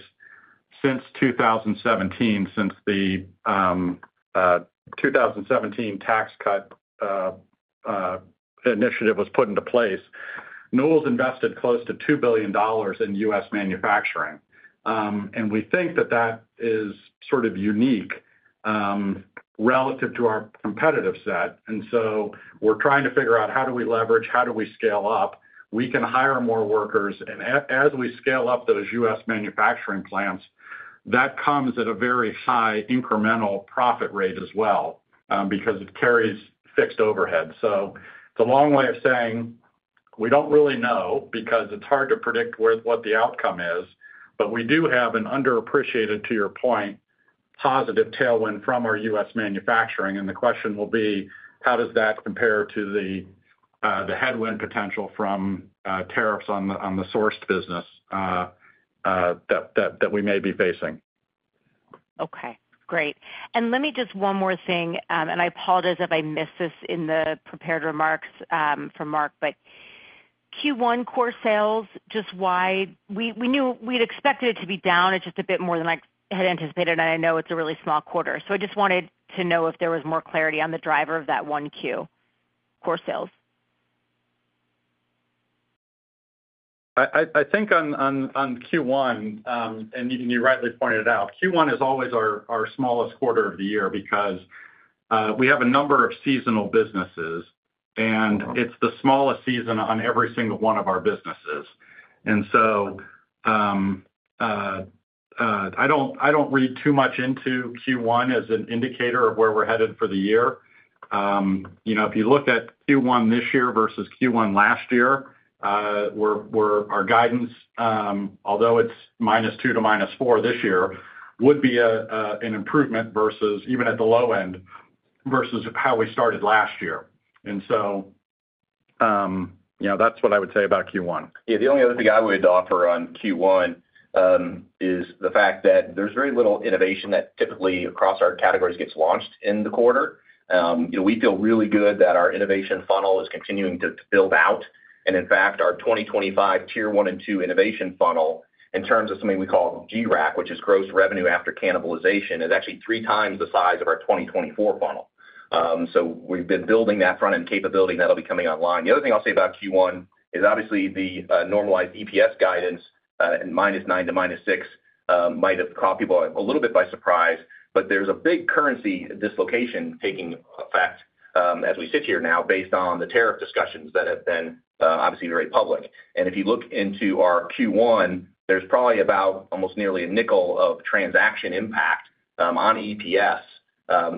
since 2017, since the 2017 tax cut initiative was put into place, Newell's invested close to $2 billion in U.S. manufacturing. And we think that that is sort of unique relative to our competitive set. And so we're trying to figure out how do we leverage, how do we scale up. We can hire more workers. As we scale up those U.S. manufacturing plants, that comes at a very high incremental profit rate as well because it carries fixed overhead. It's a long way of saying we don't really know because it's hard to predict what the outcome is, but we do have an underappreciated, to your point, positive tailwind from our U.S. manufacturing. The question will be, how does that compare to the headwind potential from tariffs on the sourced business that we may be facing? Okay. Great, and let me just one more thing, and I apologize if I missed this in the prepared remarks from Mark, but Q1 Core Sales, just why we knew we'd expected it to be down just a bit more than I had anticipated, and I know it's a really small quarter, so I just wanted to know if there was more clarity on the driver of that Q1 Core Sales. I think on Q1, and you rightly pointed it out, Q1 is always our smallest quarter of the year because we have a number of seasonal businesses, and it's the smallest season on every single one of our businesses. And so I don't read too much into Q1 as an indicator of where we're headed for the year. If you look at Q1 this year versus Q1 last year, our guidance, although it's -2 to-4 this year, would be an improvement versus even at the low end versus how we started last year. And so that's what I would say about Q1. Yeah. The only other thing I would offer on Q1 is the fact that there's very little innovation that typically across our categories gets launched in the quarter. We feel really good that our innovation funnel is continuing to build out. And in fact, our 2025 tier one and two innovation funnel, in terms of something we call GRAC, which is gross revenue after cannibalization, is actually three times the size of our 2024 funnel. So we've been building that front-end capability, and that'll be coming online. The other thing I'll say about Q1 is obviously the normalized EPS guidance and -9 to -6 might have caught people a little bit by surprise, but there's a big currency dislocation taking effect as we sit here now based on the tariff discussions that have been obviously very public. And if you look into our Q1, there's probably about almost nearly $0.05 of transaction impact on EPS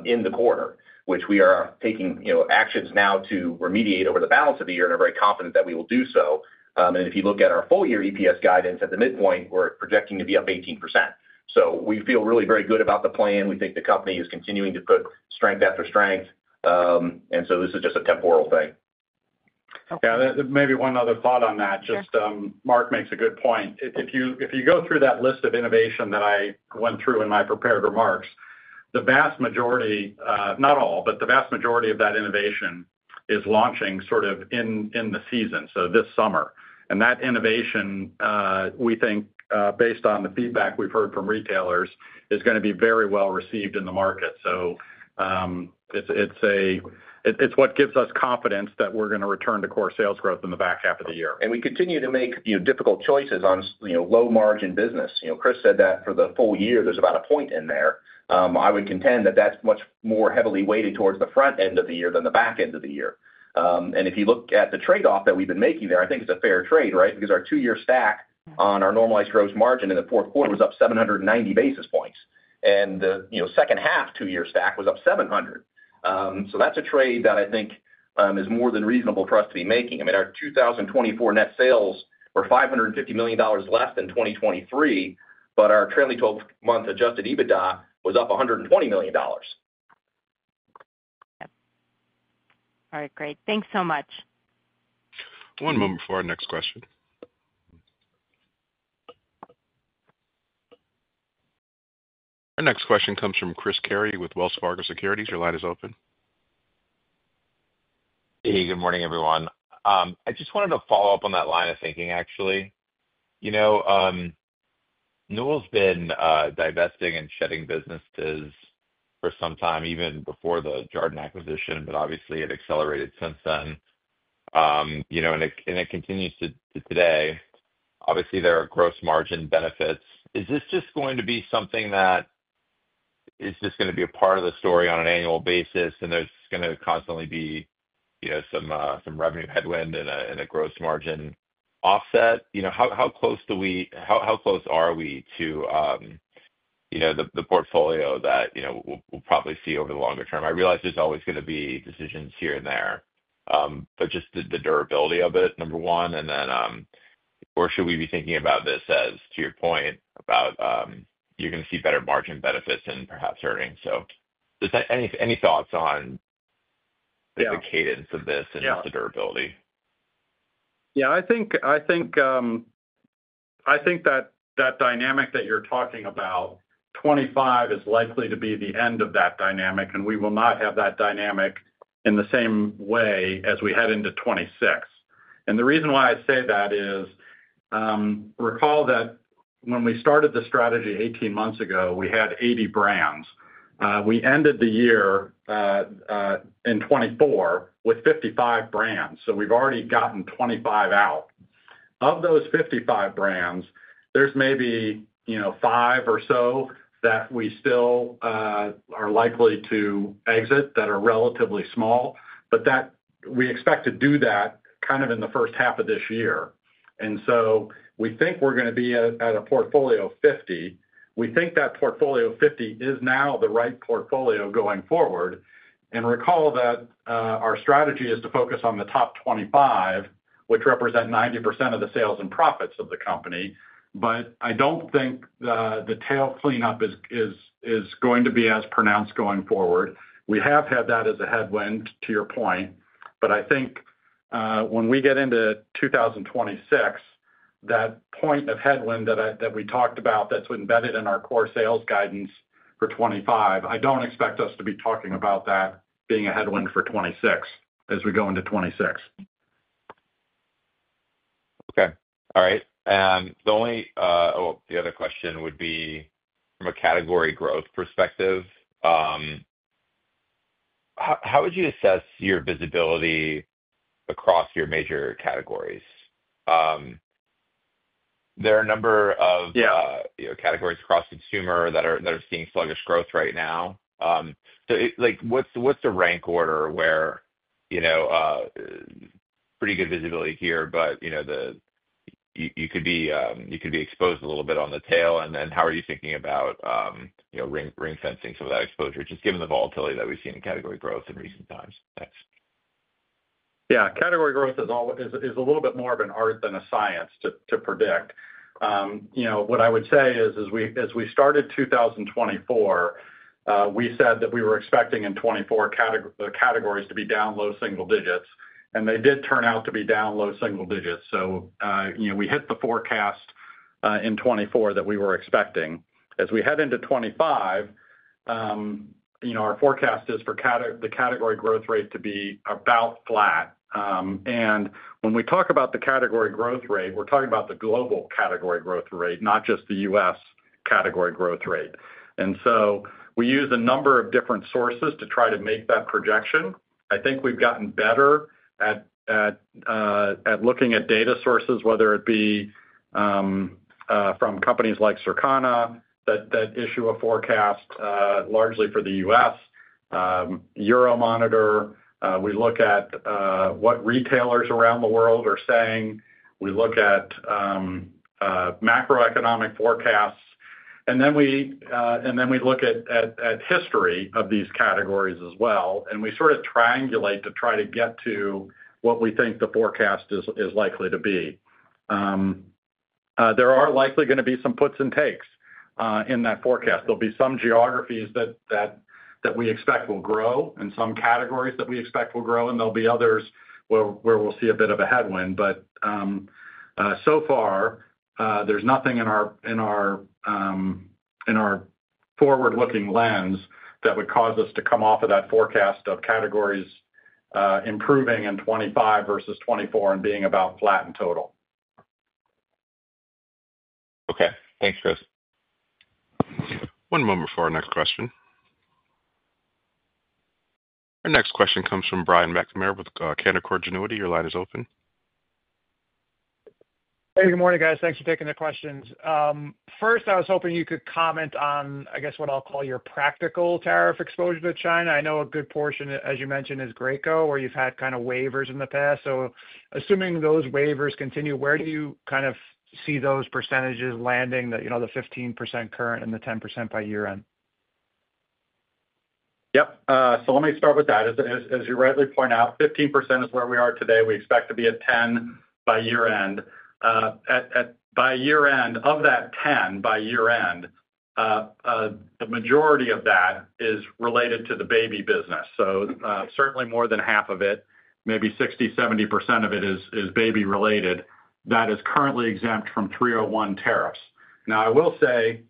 in the quarter, which we are taking actions now to remediate over the balance of the year, and we're very confident that we will do so. And if you look at our full-year EPS guidance at the midpoint, we're projecting to be up 18%. So we feel really very good about the plan. We think the company is continuing to put strength after strength. And so this is just a temporal thing. Yeah. Maybe one other thought on that. Mark makes a good point. If you go through that list of innovation that I went through in my prepared remarks, the vast majority, not all, but the vast majority of that innovation is launching sort of in the season, so this summer. And that innovation, we think, based on the feedback we've heard from retailers, is going to be very well received in the market. So it's what gives us confidence that we're going to return to Core Sales growth in the back half of the year. We continue to make difficult choices on low-margin business. Chris said that for the full year, there's about a point in there. I would contend that that's much more heavily weighted towards the front end of the year than the back end of the year. If you look at the trade-off that we've been making there, I think it's a fair trade, right? Because our two-year stack on our normalized gross margin in the Q4 was up 790 basis points. The second-half two-year stack was up 700. That's a trade that I think is more than reasonable for us to be making. I mean, our 2024 net sales were $550 million less than 2023, but our trailing 12-month adjusted EBITDA was up $120 million. Yep. All right. Great. Thanks so much. One moment for our next question. Our next question comes from Chris Carey with Wells Fargo Securities. Your line is open. Hey. Good morning, everyone. I just wanted to follow up on that line of thinking, actually. Newell's been divesting and shedding businesses for some time, even before the Jarden acquisition, but obviously, it accelerated since then, and it continues to today. Obviously, there are gross margin benefits. Is this just going to be something that is just going to be a part of the story on an annual basis, and there's going to constantly be some revenue headwind and a gross margin offset? How close are we to the portfolio that we'll probably see over the longer term? I realize there's always going to be decisions here and there, but just the durability of it, number one, and then or should we be thinking about this as, to your point, about you're going to see better margin benefits and perhaps earnings. Any thoughts on the cadence of this and the durability? Yeah. Yeah. I think that dynamic that you're talking about, 2025 is likely to be the end of that dynamic, and we will not have that dynamic in the same way as we head into 2026, and the reason why I say that is recall that when we started the strategy 18 months ago, we had 80 brands. We ended the year in 2024 with 55 brands. So we've already gotten 25 out. Of those 55 brands, there's maybe five or so that we still are likely to exit that are relatively small, but we expect to do that kind of in the first half of this year, and so we think we're going to be at a portfolio of 50. We think that portfolio of 50 is now the right portfolio going forward. Recall that our strategy is to focus on the top 25, which represent 90% of the sales and profits of the company, but I don't think the tail cleanup is going to be as pronounced going forward. We have had that as a headwind, to your point, but I think when we get into 2026, that point of headwind that we talked about that's embedded in our Core Sales guidance for 2025, I don't expect us to be talking about that being a headwind for 2026 as we go into 2026. Okay. All right. And the only other question would be from a category growth perspective. How would you assess your visibility across your major categories? There are a number of categories across consumer that are seeing sluggish growth right now. So what's the rank order where pretty good visibility here, but you could be exposed a little bit on the tail? And then how are you thinking about ring-fencing some of that exposure, just given the volatility that we've seen in category growth in recent times? Thanks. Yeah. Category growth is a little bit more of an art than a science to predict. What I would say is as we started 2024, we said that we were expecting in 2024 the categories to be down low single digits, and they did turn out to be down low single digits. We hit the forecast in 2024 that we were expecting. As we head into 2025, our forecast is for the category growth rate to be about flat. When we talk about the category growth rate, we're talking about the global category growth rate, not just the U.S. category growth rate. We use a number of different sources to try to make that projection. I think we've gotten better at looking at data sources, whether it be from companies like Circana that issue a forecast largely for the U.S., Euromonitor. We look at what retailers around the world are saying. We look at macroeconomic forecasts, and then we look at history of these categories as well, and we sort of triangulate to try to get to what we think the forecast is likely to be. There are likely going to be some puts and takes in that forecast. There'll be some geographies that we expect will grow and some categories that we expect will grow, and there'll be others where we'll see a bit of a headwind, but so far, there's nothing in our forward-looking lens that would cause us to come off of that forecast of categories improving in 2025 versus 2024 and being about flat in total. Okay. Thanks, Chris. One moment for our next question. Our next question comes from Brian McNamara with Canaccord Genuity. Your line is open. Hey. Good morning, guys. Thanks for taking the questions. First, I was hoping you could comment on, I guess, what I'll call your practical tariff exposure to China. I know a good portion, as you mentioned, is Graco, where you've had kind of waivers in the past. So assuming those waivers continue, where do you kind of see those percentages landing, the 15% current and the 10% by year-end? Yep. So let me start with that. As you rightly point out, 15% is where we are today. We expect to be at 10% by year-end. By year-end, of that 10% by year-end, the majority of that is related to the baby business. So certainly more than half of it, maybe 60% to 70% of it is baby-related, that is currently exempt from 301 tariffs. Now, I will say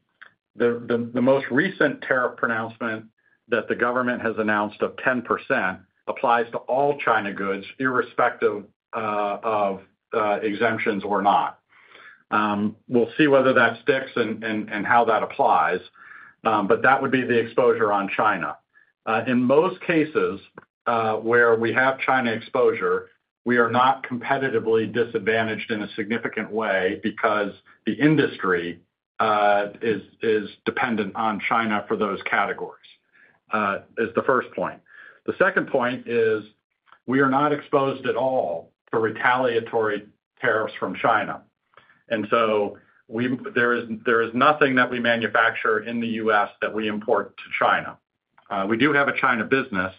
the most recent tariff pronouncement that the government has announced of 10% applies to all China goods, irrespective of exemptions or not. We'll see whether that sticks and how that applies, but that would be the exposure on China. In most cases where we have China exposure, we are not competitively disadvantaged in a significant way because the industry is dependent on China for those categories, is the first point. The second point is we are not exposed at all to retaliatory tariffs from China, and so there is nothing that we manufacture in the U.S. that we import to China. We do have a China business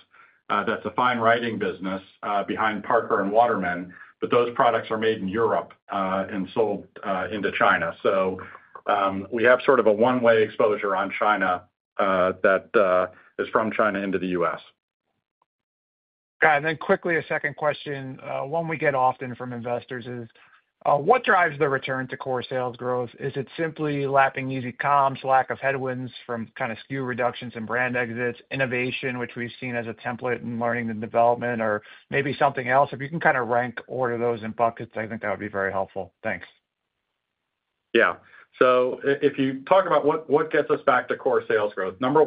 that's a fine writing business behind Parker and Waterman, but those products are made in Europe and sold into China, so we have sort of a one-way exposure on China that is from China into the U.S. Yeah. And then quickly, a second question, one we get often from investors is, what drives the return to Core Sales growth? Is it simply lapping easy comps, lack of headwinds from kind of SKU reductions and brand exits, innovation, which we've seen as a template in learning and development, or maybe something else? If you can kind of rank order those in buckets, I think that would be very helpful. Thanks. Yeah. So if you talk about what gets us back to Core Sales growth, number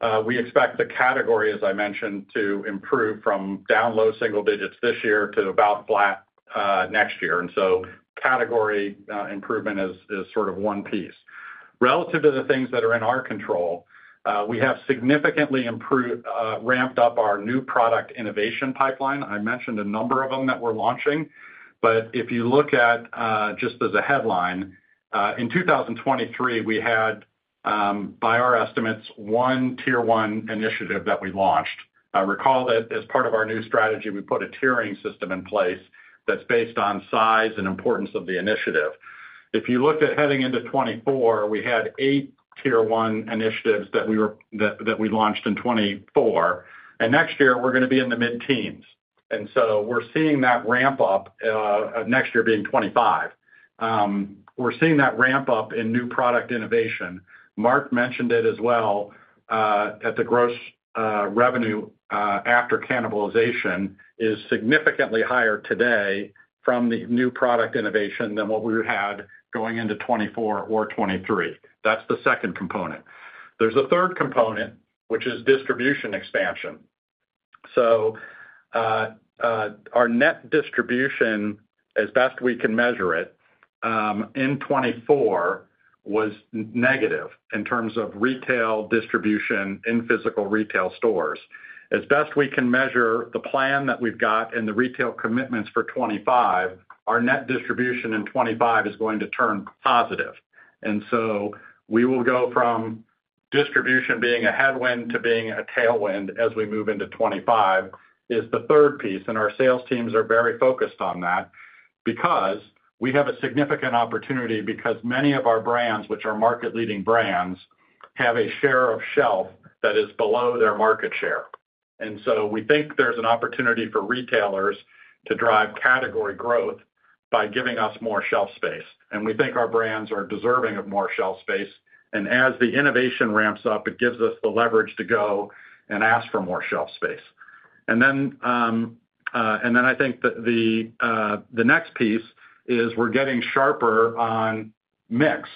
one, we expect the category, as I mentioned, to improve from down low single digits this year to about flat next year. And so category improvement is sort of one piece. Relative to the things that are in our control, we have significantly ramped up our new product innovation pipeline. I mentioned a number of them that we're launching, but if you look at just as a headline, in 2023, we had, by our estimates, one tier one initiative that we launched. I recall that as part of our new strategy, we put a tiering system in place that's based on size and importance of the initiative. If you look at heading into 2024, we had eight tier one initiatives that we launched in 2024. And next year, we're going to be in the mid-teens. And so we're seeing that ramp up next year being 2025. We're seeing that ramp up in new product innovation. Mark mentioned it as well that the gross revenue after cannibalization is significantly higher today from the new product innovation than what we had going into 2024 or 2023. That's the second component. There's a third component, which is distribution expansion. So our net distribution, as best we can measure it, in 2024 was negative in terms of retail distribution in physical retail stores. As best we can measure the plan that we've got and the retail commitments for 2025, our net distribution in 2025 is going to turn positive. And so we will go from distribution being a headwind to being a tailwind as we move into 2025, is the third piece. And our sales teams are very focused on that because we have a significant opportunity because many of our brands, which are market-leading brands, have a share of shelf that is below their market share. And so we think there's an opportunity for retailers to drive category growth by giving us more shelf space. And we think our brands are deserving of more shelf space. And as the innovation ramps up, it gives us the leverage to go and ask for more shelf space. And then I think the next piece is we're getting sharper on mix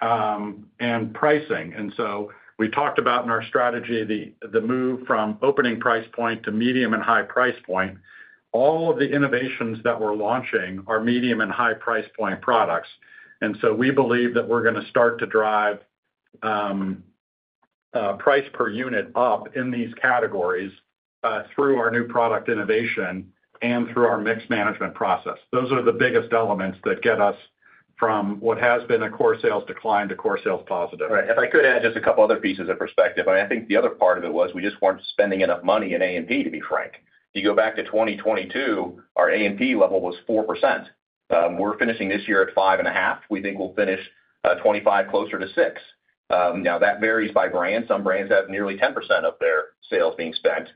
and pricing. And so we talked about in our strategy the move from opening price point to medium and high price point. All of the innovations that we're launching are medium and high price point products. We believe that we're going to start to drive price per unit up in these categories through our new product innovation and through our mix management process. Those are the biggest elements that get us from what has been a Core Sales decline to Core Sales positive. Right. If I could add just a couple other pieces of perspective, I think the other part of it was we just weren't spending enough money in A&P, to be frank. If you go back to 2022, our A&P level was 4%. We're finishing this year at 5.5%. We think we'll finish 2025 closer to 6%. Now, that varies by brand. Some brands have nearly 10% of their sales being spent.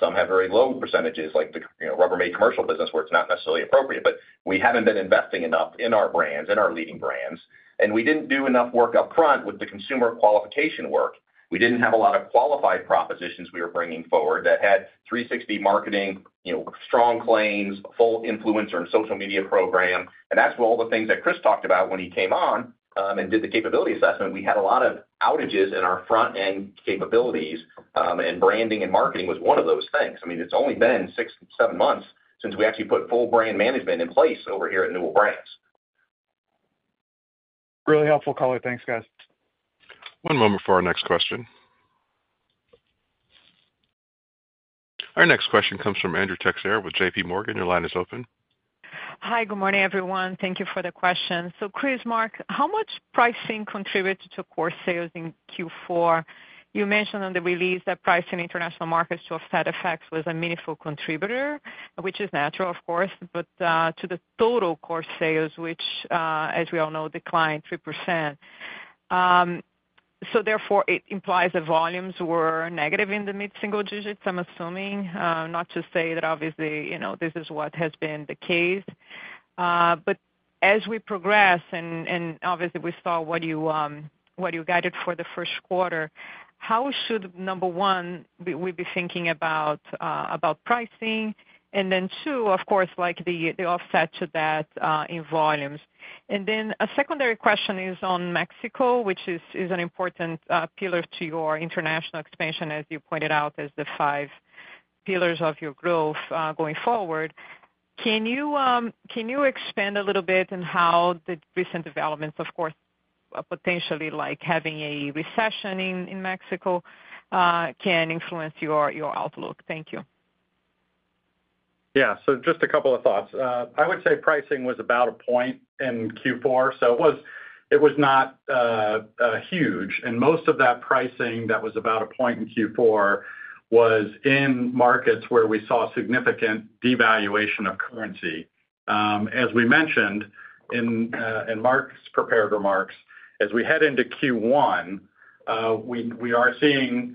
Some have very low percentages, like the Rubbermaid commercial business, where it's not necessarily appropriate. But we haven't been investing enough in our brands, in our leading brands. And we didn't do enough work upfront with the consumer qualification work. We didn't have a lot of qualified propositions we were bringing forward that had 360 marketing, strong claims, full influencer and social media program. And that's all the things that Chris talked about when he came on and did the capability assessment. We had a lot of outages in our front-end capabilities, and branding and marketing was one of those things. I mean, it's only been six, seven months since we actually put full brand management in place over here at Newell Brands. Really helpful, Color. Thanks, guys. One moment for our next question. Our next question comes from Andrea Teixeira with JPMorgan. Your line is open. Hi. Good morning, everyone. Thank you for the question. So, Chris, Mark, how much pricing contributed to Core Sales in Q4? You mentioned on the release that pricing in international markets to offset effects was a meaningful contributor, which is natural, of course, but to the total Core Sales, which, as we all know, declined 3%. So therefore, it implies the volumes were negative in the mid-single digits, I'm assuming, not to say that obviously this is what has been the case. But as we progress, and obviously, we saw what you guided for the Q1, how should we, number one, be thinking about pricing? And then two, of course, the offset to that in volumes. And then a secondary question is on Mexico, which is an important pillar to your international expansion, as you pointed out, as one of the five pillars of your growth going forward. Can you expand a little bit on how the recent developments, of course, potentially like having a recession in Mexico, can influence your outlook? Thank you. Yeah. So just a couple of thoughts. I would say pricing was about a point in Q4. So it was not huge. And most of that pricing that was about a point in Q4 was in markets where we saw significant devaluation of currency. As we mentioned in Mark's prepared remarks, as we head into Q1, we are seeing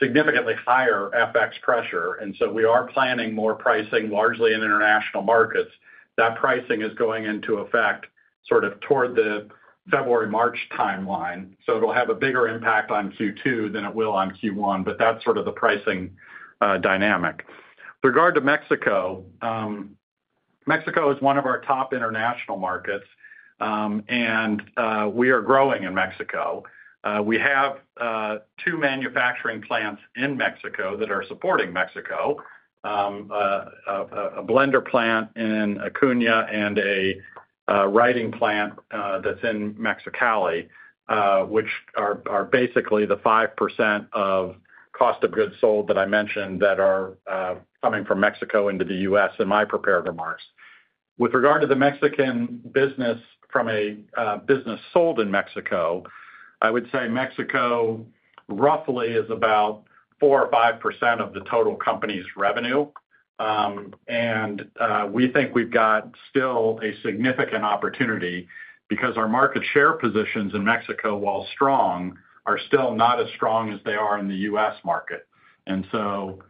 significantly higher FX pressure. And so we are planning more pricing, largely in international markets. That pricing is going into effect sort of toward the February-March timeline. So it'll have a bigger impact on Q2 than it will on Q1, but that's sort of the pricing dynamic. With regard to Mexico, Mexico is one of our top international markets, and we are growing in Mexico. We have two manufacturing plants in Mexico that are supporting Mexico, a blender plant in Acuña and a writing plant that's in Mexicali, which are basically the 5% of cost of goods sold that I mentioned that are coming from Mexico into the U.S. in my prepared remarks. With regard to the Mexican business from a business sold in Mexico, I would say Mexico roughly is about 4% or 5% of the total company's revenue, and we think we've got still a significant opportunity because our market share positions in Mexico, while strong, are still not as strong as they are in the U.S. market, and so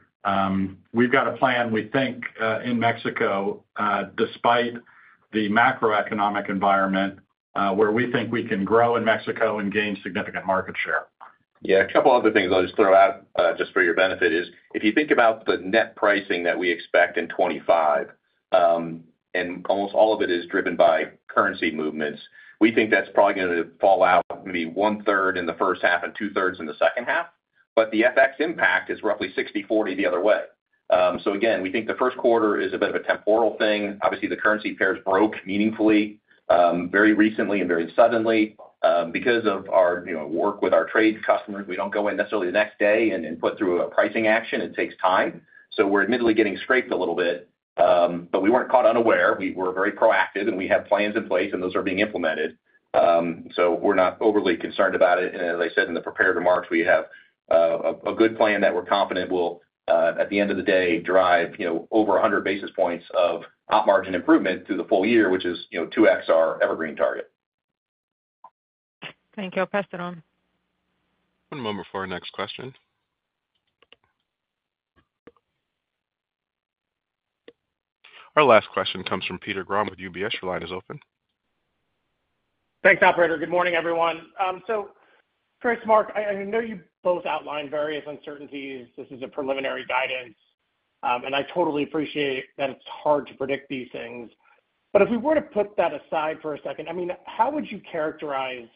we've got a plan, we think, in Mexico, despite the macroeconomic environment, where we think we can grow in Mexico and gain significant market share. Yeah. A couple other things I'll just throw out just for your benefit is if you think about the net pricing that we expect in 2025, and almost all of it is driven by currency movements, we think that's probably going to fall out maybe one-third in the first half and two-thirds in the second half. But the FX impact is roughly 60/40 the other way. So again, we think the Q1 is a bit of a temporary thing. Obviously, the currency pairs broke meaningfully very recently and very suddenly. Because of our work with our trade customers, we don't go in necessarily the next day and put through a pricing action. It takes time. So we're admittedly getting scraped a little bit, but we weren't caught unaware. We were very proactive, and we have plans in place, and those are being implemented. So we're not overly concerned about it. And as I said in the prepared remarks, we have a good plan that we're confident will, at the end of the day, drive over 100 basis points of op margin improvement through the full year, which is 2X our evergreen target. Thank you. I'll pass it on. One moment for our next question. Our last question comes from Peter Grom with UBS. Your line is open. Thanks, Operator. Good morning, everyone. Chris, Mark, I know you both outlined various uncertainties. This is a preliminary guidance, and I totally appreciate that it's hard to predict these things. But if we were to put that aside for a second, I mean, how would you characterize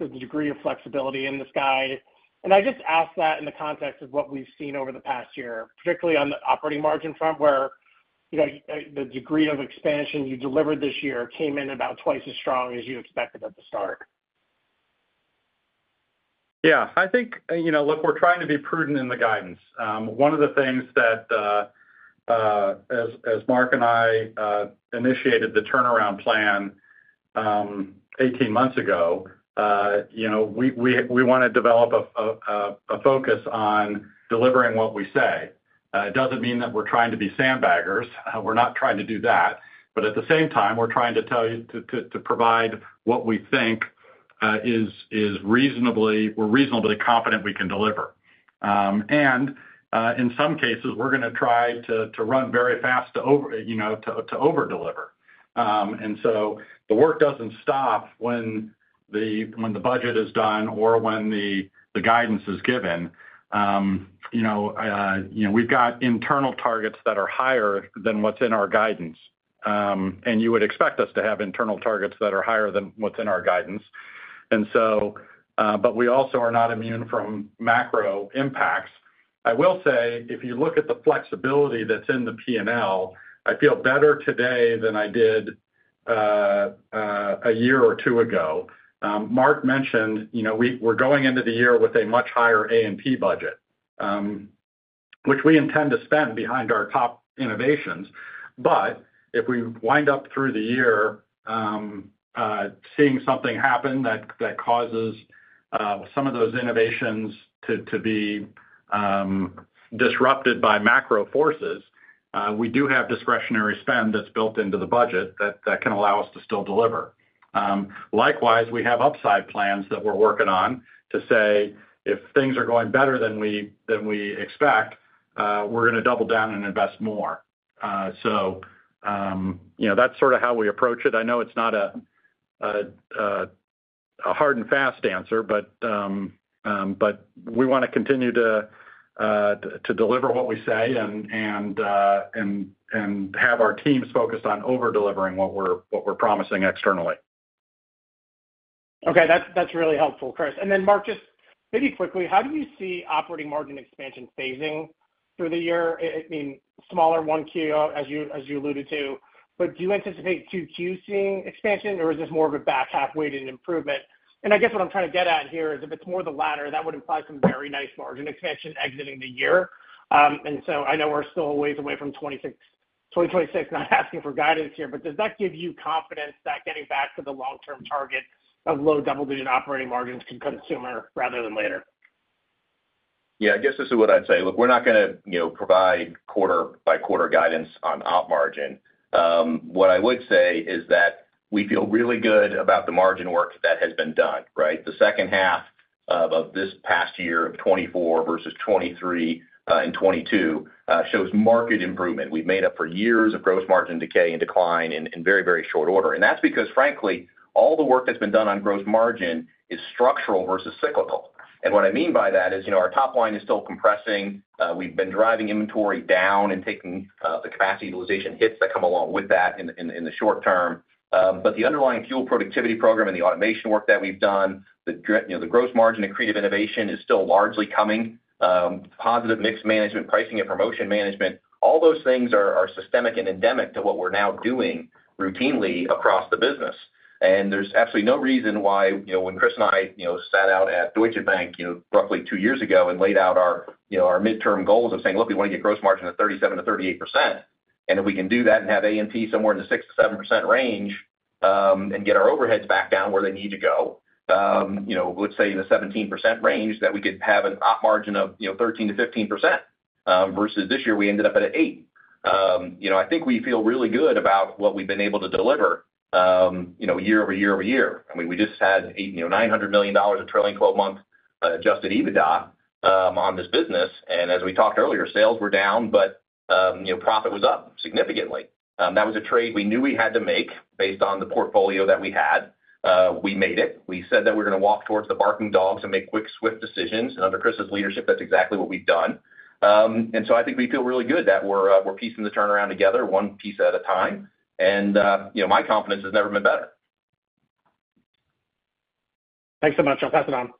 the degree of flexibility in this guide? And I just ask that in the context of what we've seen over the past year, particularly on the operating margin front, where the degree of expansion you delivered this year came in about twice as strong as you expected at the start. Yeah. I think, look, we're trying to be prudent in the guidance. One of the things that, as Mark and I initiated the turnaround plan 18 months ago, we want to develop a focus on delivering what we say. It doesn't mean that we're trying to be sandbaggers. We're not trying to do that. But at the same time, we're trying to provide what we think is reasonably—we're reasonably confident we can deliver. And in some cases, we're going to try to run very fast to overdeliver. And so the work doesn't stop when the budget is done or when the guidance is given. We've got internal targets that are higher than what's in our guidance. And you would expect us to have internal targets that are higher than what's in our guidance. And so, but we also are not immune from macro impacts.I will say, if you look at the flexibility that's in the P&L, I feel better today than I did a year or two ago. Mark mentioned we're going into the year with a much higher A&P budget, which we intend to spend behind our top innovations, but if we wind up through the year seeing something happen that causes some of those innovations to be disrupted by macro forces, we do have discretionary spend that's built into the budget that can allow us to still deliver. Likewise, we have upside plans that we're working on to say, if things are going better than we expect, we're going to double down and invest more, so that's sort of how we approach it. I know it's not a hard and fast answer, but we want to continue to deliver what we say and have our teams focused on overdelivering what we're promising externally. Okay. That's really helpful, Chris. And then, Mark, just maybe quickly, how do you see operating margin expansion phasing through the year? I mean, smaller 1Q, as you alluded to. But do you anticipate 2Q seeing expansion, or is this more of a back-half weighted improvement? And I guess what I'm trying to get at here is if it's more the latter, that would imply some very nice margin expansion exiting the year. And so I know we're still a ways away from 2026. I'm not asking for guidance here, but does that give you confidence that getting back to the long-term target of low double-digit operating margins sooner rather than later? Yeah. I guess this is what I'd say. Look, we're not going to provide quarter-by-quarter guidance on op margin. What I would say is that we feel really good about the margin work that has been done, right? The second half of this past year, 2024 versus 2023 and 2022, shows market improvement. We've made up for years of gross margin decay and decline in very, very short order. And that's because, frankly, all the work that's been done on gross margin is structural versus cyclical. And what I mean by that is our top line is still compressing. We've been driving inventory down and taking the capacity utilization hits that come along with that in the short term. But the underlying fuel productivity program and the automation work that we've done, the gross margin accretive innovation is still largely coming. Positive mix management, pricing and promotion management, all those things are systemic and endemic to what we're now doing routinely across the business, and there's absolutely no reason why when Chris and I sat out at Deutsche Bank roughly two years ago and laid out our midterm goals of saying, "Look, we want to get gross margin at 37% to 38%," and if we can do that and have A&P somewhere in the 6% to 7% range and get our overheads back down where they need to go, let's say in the 17% range, that we could have an op margin of 13% to 15% versus this year we ended up at an 8%. I think we feel really good about what we've been able to deliver year over year over year. I mean, we just had $900 million, a trailing 12-month adjusted EBITDA on this business. And as we talked earlier, sales were down, but profit was up significantly. That was a trade we knew we had to make based on the portfolio that we had. We made it. We said that we're going to walk towards the barking dogs and make quick, swift decisions. And under Chris's leadership, that's exactly what we've done. And so I think we feel really good that we're piecing the turnaround together, one piece at a time. And my confidence has never been better. Thanks so much. I'll pass it on.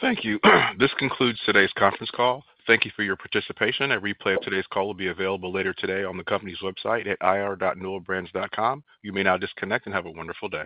Thank you. This concludes today's conference call. Thank you for your participation. A replay of today's call will be available later today on the company's website at ir.newellbrands.com. You may now disconnect and have a wonderful day.